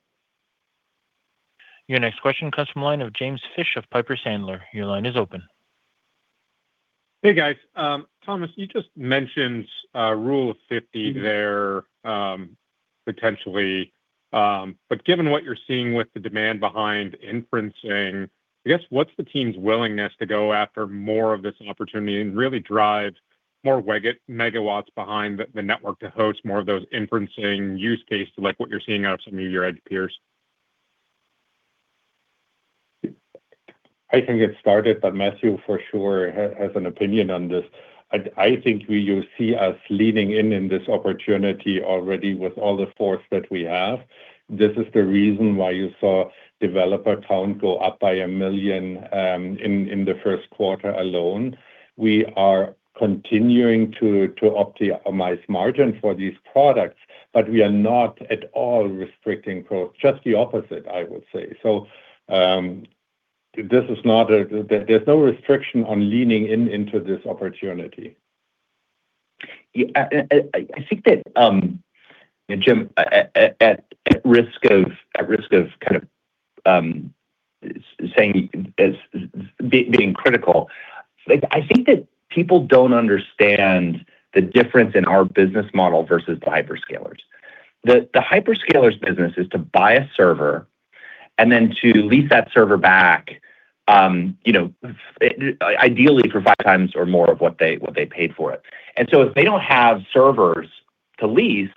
Your next question comes from the line of James Fish of Piper Sandler. Your line is open. Hey, guys. Thomas, you just mentioned Rule of 50 there, potentially. Given what you're seeing with the demand behind inferencing, I guess, what's the team's willingness to go after more of this opportunity and really drive more megawatts behind the network to host more of those inferencing use cases like what you're seeing out of some of your edge peers? I can get started, but Matthew for sure has an opinion on this. I think we will see us leaning in in this opportunity already with all the force that we have. This is the reason why you saw developer count go up by 1 million in the first quarter alone. We are continuing to optimize margin for these products, but we are not at all restricting growth. Just the opposite, I would say. There's no restriction on leaning in, into this opportunity. Yeah. I think that, you know, Jim, at risk of, at risk of kind of being critical, like, I think that people don't understand the difference in our business model versus the hyperscalers. The hyperscalers' business is to buy a server and then to lease that server back, you know, ideally for 5x or more of what they paid for it. If they don't have servers to lease,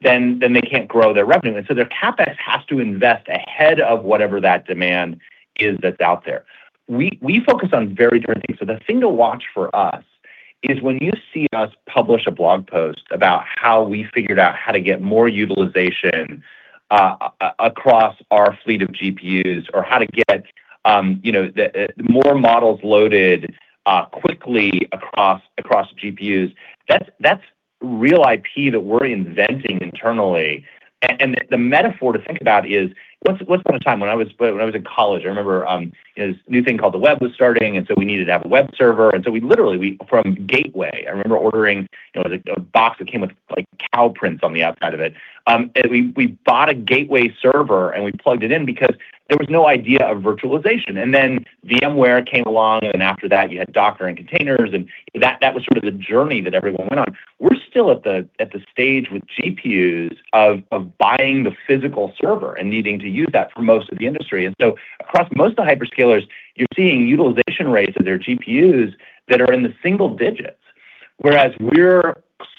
then they can't grow their revenue. Their CapEx has to invest ahead of whatever that demand is that's out there. We focus on very different things. The thing to watch for us is when you see us publish a blog post about how we figured out how to get more utilization across our fleet of GPUs or how to get, you know, the more models loaded quickly across GPUs, that's real IP that we're inventing internally. The metaphor to think about is once upon a time when I was in college, I remember, you know, this new thing called the web was starting, we needed to have a web server, we literally From Gateway, I remember ordering, you know, the box that came with, like, cow prints on the outside of it. we bought a Gateway server, and we plugged it in because there was no idea of virtualization. VMware came along, after that you had Docker and Containers, and that was sort of the journey that everyone went on. We're still at the stage with GPUs of buying the physical server and needing to use that for most of the industry. Across most of the hyperscalers, you're seeing utilization rates of their GPUs that are in the single digits. Whereas we're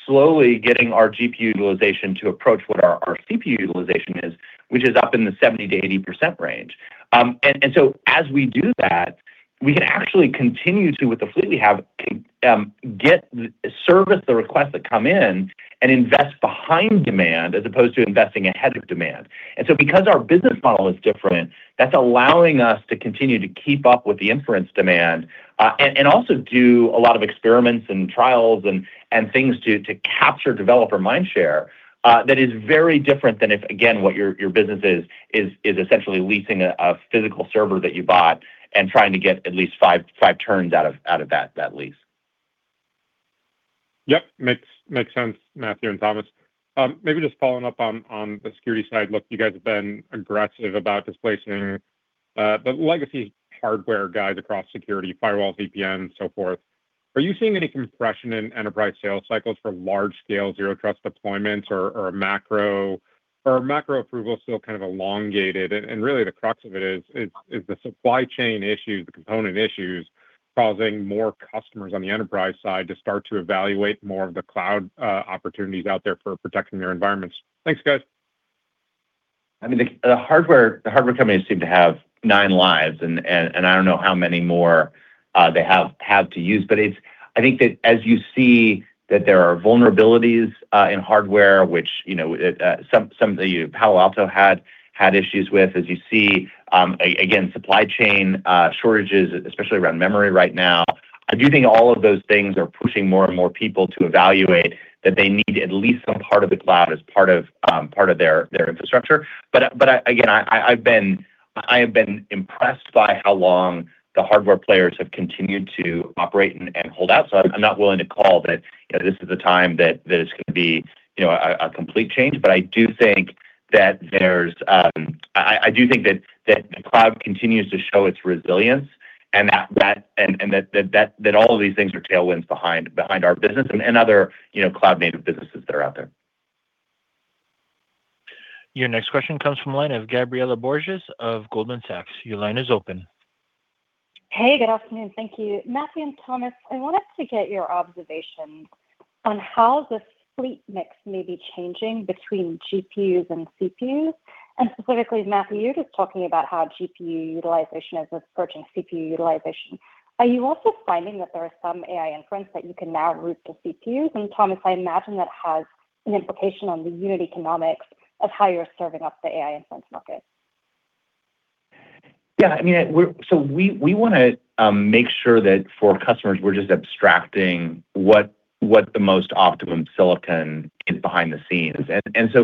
slowly getting our GPU utilization to approach what our CPU utilization is, which is up in the 70%-80% range. As we do that, we can actually continue to, with the fleet we have, get Service the requests that come in and invest behind demand as opposed to investing ahead of demand. Because our business model is different, that's allowing us to continue to keep up with the inference demand, and also do a lot of experiments and trials and things to capture developer mindshare, that is very different than if, again, what your business is essentially leasing a physical server that you bought and trying to get at least five turns out of that lease. Yep. Makes sense, Matthew and Thomas. Maybe just following up on the security side. Look, you guys have been aggressive about displacing the legacy hardware guys across security, firewalls, VPN, so forth. Are you seeing any compression in enterprise sales cycles for large scale Zero Trust deployments or are macro approvals still kind of elongated? Really the crux of it is the supply chain issues, the component issues causing more customers on the enterprise side to start to evaluate more of the cloud opportunities out there for protecting their environments. Thanks, guys. I mean, the hardware companies seem to have nine lives and I don't know how many more they have to use. I think that as you see that there are vulnerabilities in hardware, which, you know, some of you Palo Alto had issues with, as you see, again, supply chain shortages, especially around memory right now. I do think all of those things are pushing more and more people to evaluate that they need at least some part of the cloud as part of their infrastructure. Again, I've been, I have been impressed by how long the hardware players have continued to operate and hold out. I'm not willing to call that, you know, this is the time that it's going to be, you know, a complete change. I do think that the cloud continues to show its resilience and that, and that all of these things are tailwinds behind our business and other, you know, cloud-native businesses that are out there. Your next question comes from the line of Gabriela Borges of Goldman Sachs. Your line is open. Hey, good afternoon. Thank you. Matthew and Thomas, I wanted to get your observations on how the fleet mix may be changing between GPUs and CPUs. Specifically, Matthew, you're just talking about how GPU utilization is approaching CPU utilization. Are you also finding that there are some AI inference that you can now route to CPUs? Thomas, I imagine that has an implication on the unit economics of how you're serving up the AI inference market. Yeah, I mean, we wanna make sure that for customers, we're just abstracting what the most optimum silicon is behind the scenes.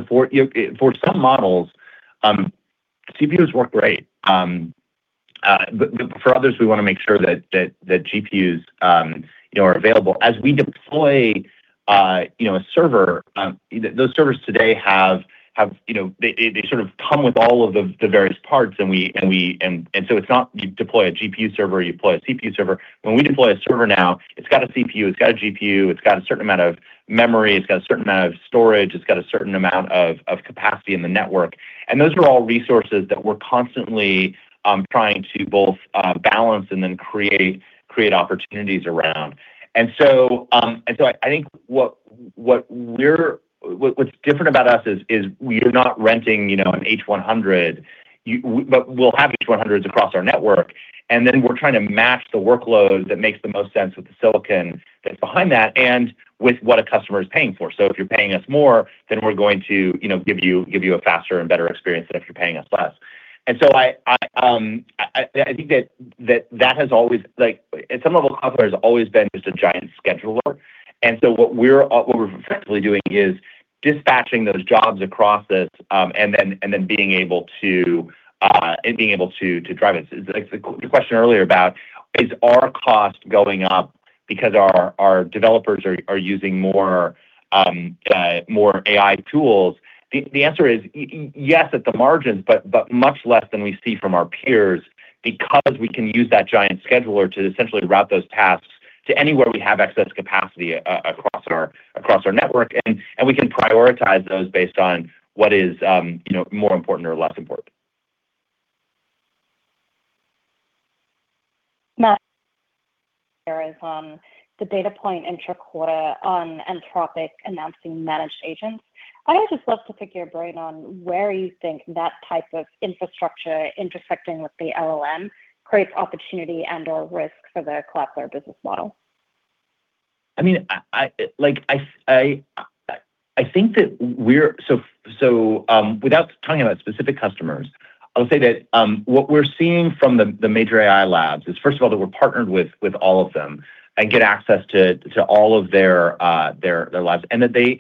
For, you know, for some models, CPUs work great. For others, we wanna make sure that GPUs, you know, are available. As we deploy, you know, a server, those servers today have, you know, they sort of come with all of the various parts. It's not you deploy a GPU server, you deploy a CPU server. When we deploy a server now, it's got a CPU, it's got a GPU, it's got a certain amount of memory, it's got a certain amount of storage, it's got a certain amount of capacity in the network. Those are all resources that we're constantly trying to both balance and then create opportunities around. I think what's different about us is we are not renting, you know, an H100. We'll have H100s across our network, then we're trying to match the workload that makes the most sense with the silicon that's behind that and with what a customer is paying for. If you're paying us more, then we're going to, you know, give you a faster and better experience than if you're paying us less. I think that has always, at some level, Cloudflare has always been just a giant scheduler. What we're effectively doing is dispatching those jobs across this, and then being able to drive it. It's like the question earlier about, is our cost going up because our developers are using more, more AI tools? The answer is yes, at the margins, but much less than we see from our peers because we can use that giant scheduler to essentially route those tasks to anywhere we have excess capacity across our network. We can prioritize those based on what is, you know, more important or less important. Matt, there is the data point in your quarter on Anthropic announcing managed agents. I would just love to pick your brain on where you think that type of infrastructure intersecting with the LLM creates opportunity and/or risk for the Cloudflare business model. Without talking about specific customers, I'll say that what we're seeing from the major AI labs is, first of all, that we're partnered with all of them and get access to all of their labs, and that they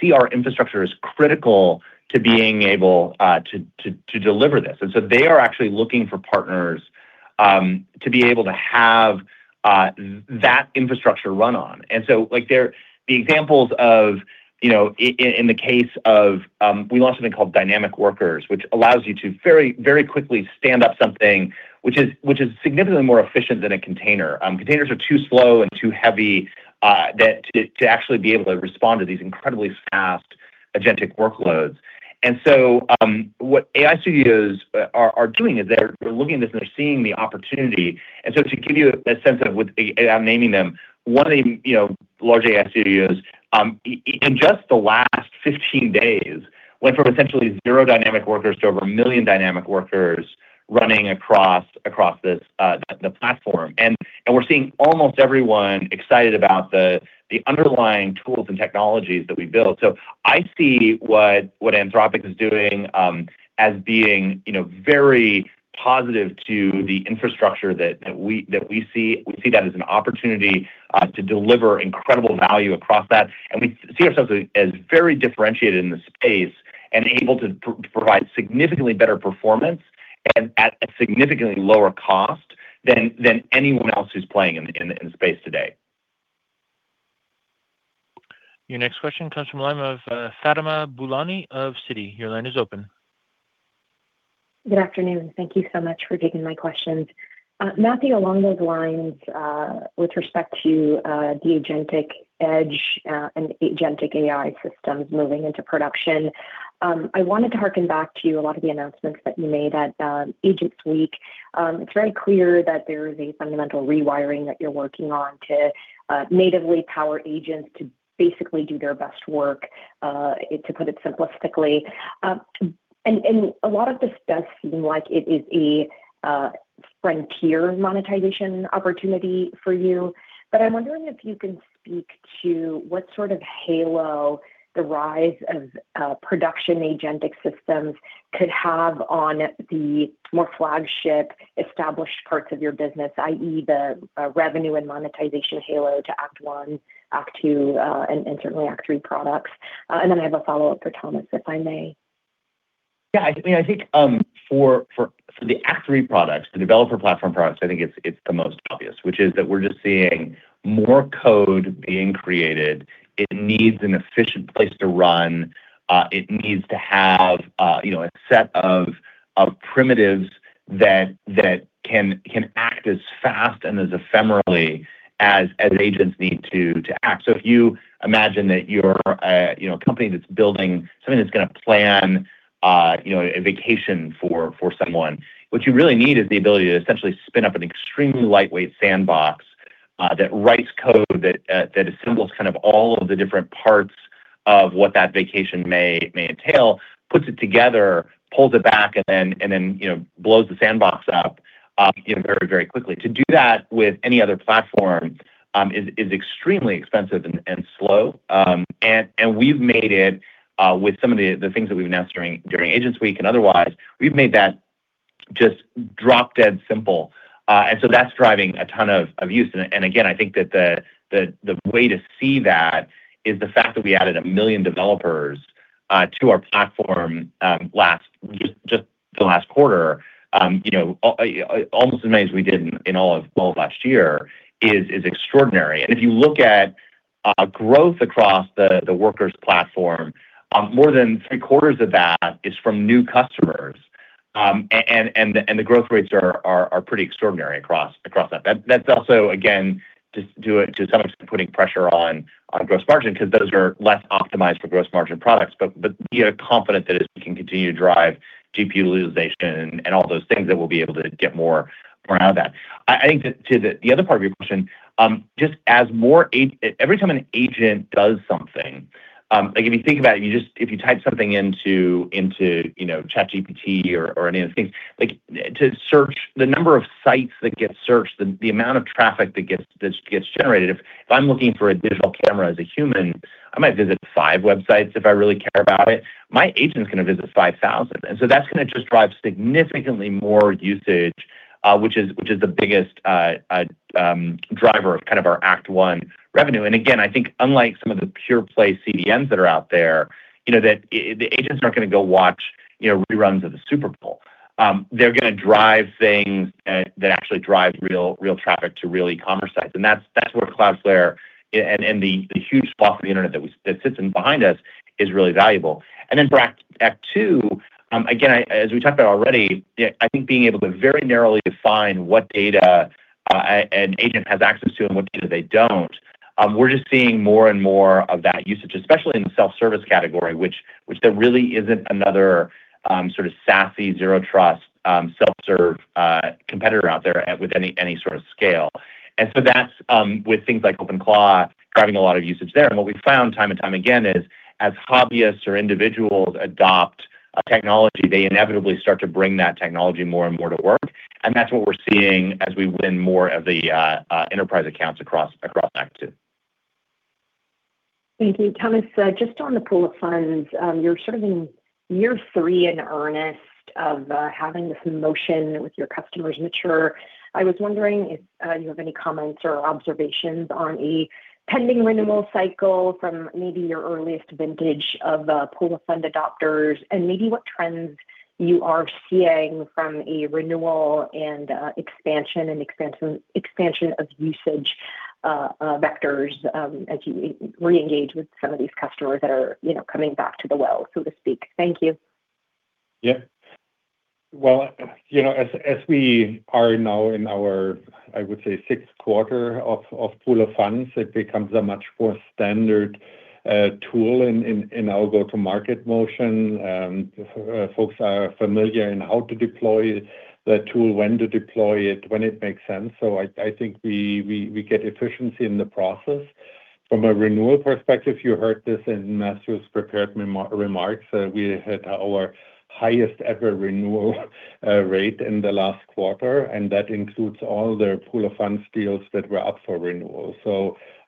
see our infrastructure as critical to being able to deliver this. They are actually looking for partners to be able to have that infrastructure run on. The examples of, you know, in the case of, we launched something called Dynamic Workers, which allows you to very, very quickly stand up something which is significantly more efficient than a container. Containers are too slow and too heavy that to actually be able to respond to these incredibly fast agentic workloads. What AI studios are doing is they're looking at this, and they're seeing the opportunity. To give you a sense of with the I'm naming them, one of the, you know, large AI studios, in just the last 15 days, went from essentially zero Dynamic Workers to over 1 million Dynamic Workers running across this the platform. We're seeing almost everyone excited about the underlying tools and technologies that we built. I see what Anthropic is doing as being, you know, very positive to the infrastructure that we see. We see that as an opportunity to deliver incredible value across that. We see ourselves as very differentiated in the space and able to provide significantly better performance and at a significantly lower cost than anyone else who's playing in the space today. Your next question comes from the line of Fatima Boolani of Citi. Your line is open. Good afternoon. Thank you so much for taking my questions. Matthew, along those lines, with respect to the agentic edge, and agentic AI systems moving into production, I wanted to harken back to a lot of the announcements that you made at Agents Week. It's very clear that there is a fundamental rewiring that you're working on to natively power agents to basically do their best work, to put it simplistically. A lot of this does seem like it is a frontier monetization opportunity for you. I'm wondering if you can speak to what sort of halo the rise of production agentic systems could have on the more flagship established parts of your business, i.e., the revenue and monetization halo to Act One, Act Two, and certainly Act Three products. Then I have a follow-up for Thomas, if I may. I mean, I think for the Act Three products, the developer platform products, I think it's the most obvious, which is that we're just seeing more code being created. It needs an efficient place to run. It needs to have, you know, a set of primitives that can act as fast and as ephemerally as agents need to act. If you imagine that you're a, you know, a company that's building something that's gonna plan, you know, a vacation for someone, what you really need is the ability to essentially spin up an extremely lightweight sandbox that writes code, that assembles kind of all of the different parts of what that vacation may entail, puts it together, pulls it back, and then, you know, blows the sandbox up, you know, very quickly. To do that with any other platform is extremely expensive and slow. We've made it with some of the things that we've announced during Agents Week and otherwise, we've made that just drop-dead simple. That's driving a ton of use. Again, I think that the way to see that is the fact that we added 1 million developers to our platform just the last quarter, you know, almost as many as we did in all of last year is extraordinary. If you look at growth across the Workers platform, more than three-quarters of that is from new customers. The growth rates are pretty extraordinary across that. That's also, again, to some extent putting pressure on gross margin because those are less optimized for gross margin products. We are confident that as we can continue to drive GPU utilization and all those things, that we'll be able to get more out of that. I think that to the other part of your question, just as every time an agent does something, like if you think about it, if you type something into, you know, ChatGPT or any of the things, like, to search the number of sites that get searched, the amount of traffic that gets generated. If I'm looking for a digital camera as a human, I might visit five websites if I really care about it. My agent's gonna visit 5,000. That's gonna just drive significantly more usage, which is the biggest driver of kind of our Act One revenue. Again, I think unlike some of the pure play CDNs that are out there, you know, that, the agents aren't gonna go watch, you know, reruns of the Super Bowl. They're gonna drive things that actually drive real traffic to real e-commerce sites. That's, that's where Cloudflare and the huge swath of the internet that sits in behind us is really valuable. Then for Act Two, again, as we talked about already, I think being able to very narrowly define what data an agent has access to and what data they don't, we're just seeing more and more of that usage, especially in the self-service category, which there really isn't another sort of SASE, Zero Trust, self-serve competitor out there with any sort of scale. That's with things like OpenClaw driving a lot of usage there. What we've found time and time again is as hobbyists or individuals adopt a technology, they inevitably start to bring that technology more and more to work, and that's what we're seeing as we win more of the enterprise accounts across Act Two. Thank you. Thomas, just on the pool of funds, you're sort of in year three in earnest of having this in motion with your customers mature. I was wondering if you have any comments or observations on a pending renewal cycle from maybe your earliest vintage of pool of fund adopters, and maybe what trends you are seeing from a renewal and expansion of usage vectors, as you re-engage with some of these customers that are, you know, coming back to the well, so to speak. Thank you. Well, you know, as we are now in our, I would say, sixth quarter of pool of funds, it becomes a much more standard tool in our go-to-market motion. Folks are familiar in how to deploy the tool, when to deploy it, when it makes sense. I think we get efficiency in the process. From a renewal perspective, you heard this in Matthew's prepared remarks. We had our highest ever renewal rate in the last quarter, and that includes all the pool of funds deals that were up for renewal.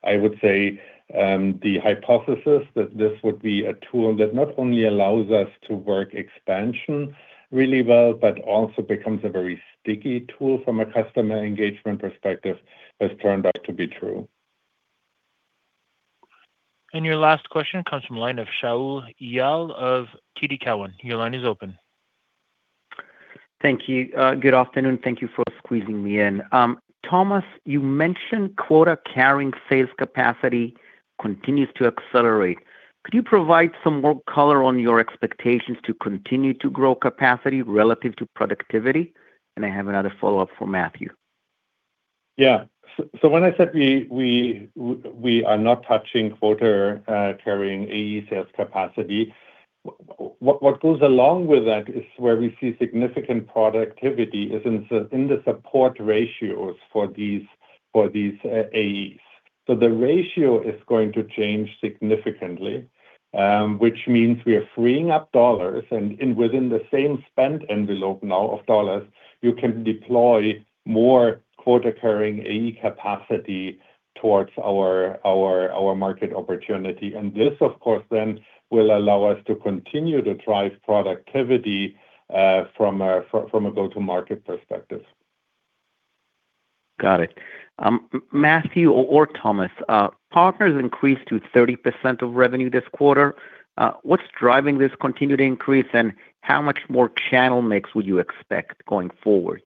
I would say the hypothesis that this would be a tool that not only allows us to work expansion really well, but also becomes a very sticky tool from a customer engagement perspective, has turned out to be true. Your last question comes from line of Shaul Eyal of TD Cowen. Your line is open. Thank you. Good afternoon. Thank you for squeezing me in. Thomas, you mentioned quota-carrying sales capacity continues to accelerate. Could you provide some more color on your expectations to continue to grow capacity relative to productivity? I have another follow-up for Matthew. Yeah. When I said we are not touching quota-carrying AE sales capacity, what goes along with that is where we see significant productivity is in the support ratios for these AEs. The ratio is going to change significantly, which means we are freeing up dollars within the same spend envelope now of dollars, you can deploy more quota-carrying AE capacity towards our market opportunity. This, of course, then will allow us to continue to drive productivity from a go-to-market perspective. Got it. Matthew or Thomas, partners increased to 30% of revenue this quarter. What's driving this continued increase, and how much more channel mix would you expect going forward?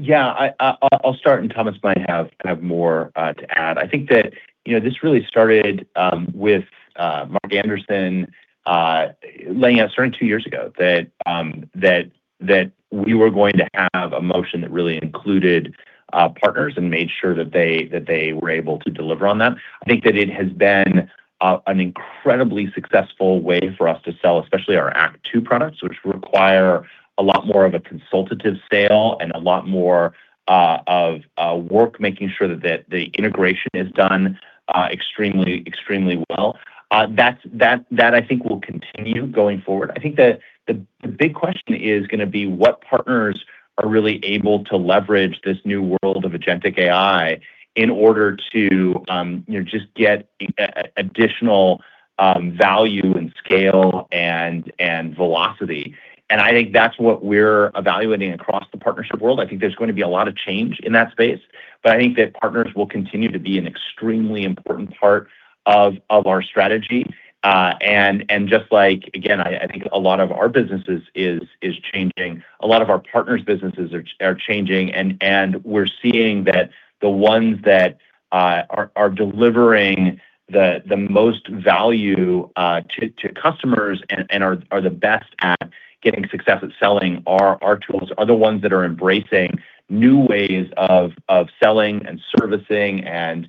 Yeah. I'll start, Thomas might have more to add. I think that, you know, this really started with Mark Anderson laying out certain two years ago that we were going to have a motion that really included partners and made sure that they were able to deliver on that. I think that it has been an incredibly successful way for us to sell, especially our Act Two products, which require a lot more of a consultative sale and a lot more of work making sure that the integration is done extremely well. That I think will continue going forward. I think the big question is gonna be what partners are really able to leverage this new world of agentic AI in order to, you know, just get additional value and scale and velocity. I think that's what we're evaluating across the partnership world. I think there's going to be a lot of change in that space. I think that partners will continue to be an extremely important part of our strategy. Just like, again, I think a lot of our businesses is changing. A lot of our partners' businesses are changing, and we're seeing that the ones that are delivering the most value to customers and are the best at getting success at selling our tools are the ones that are embracing new ways of selling and servicing and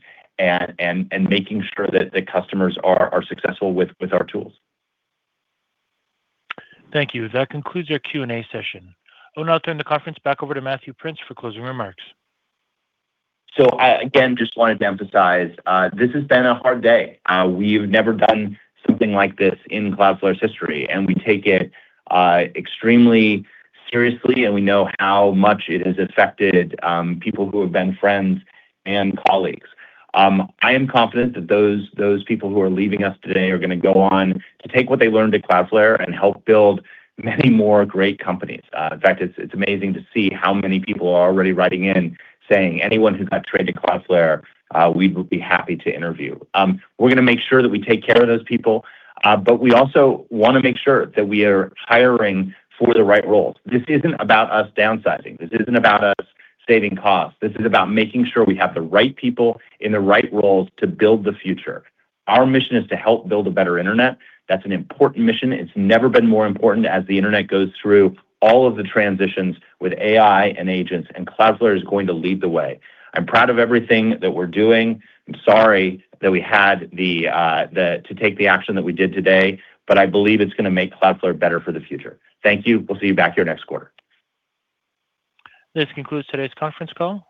making sure that the customers are successful with our tools. Thank you. That concludes our Q&A session. I'll now turn the conference back over to Matthew Prince for closing remarks. I again just wanted to emphasize, this has been a hard day. We've never done something like this in Cloudflare's history, and we take it extremely seriously, and we know how much it has affected people who have been friends and colleagues. I am confident that those people who are leaving us today are gonna go on to take what they learned at Cloudflare and help build many more great companies. In fact, it's amazing to see how many people are already writing in saying, "Anyone who got traded to Cloudflare, we would be happy to interview." We're gonna make sure that we take care of those people, but we also wanna make sure that we are hiring for the right roles. This isn't about us downsizing. This isn't about us saving costs. This is about making sure we have the right people in the right roles to build the future. Our mission is to help build a better internet. That's an important mission. It's never been more important as the internet goes through all of the transitions with AI and agents. Cloudflare is going to lead the way. I'm proud of everything that we're doing. I'm sorry that we had to take the action that we did today. I believe it's gonna make Cloudflare better for the future. Thank you. We'll see you back here next quarter. This concludes today's conference call.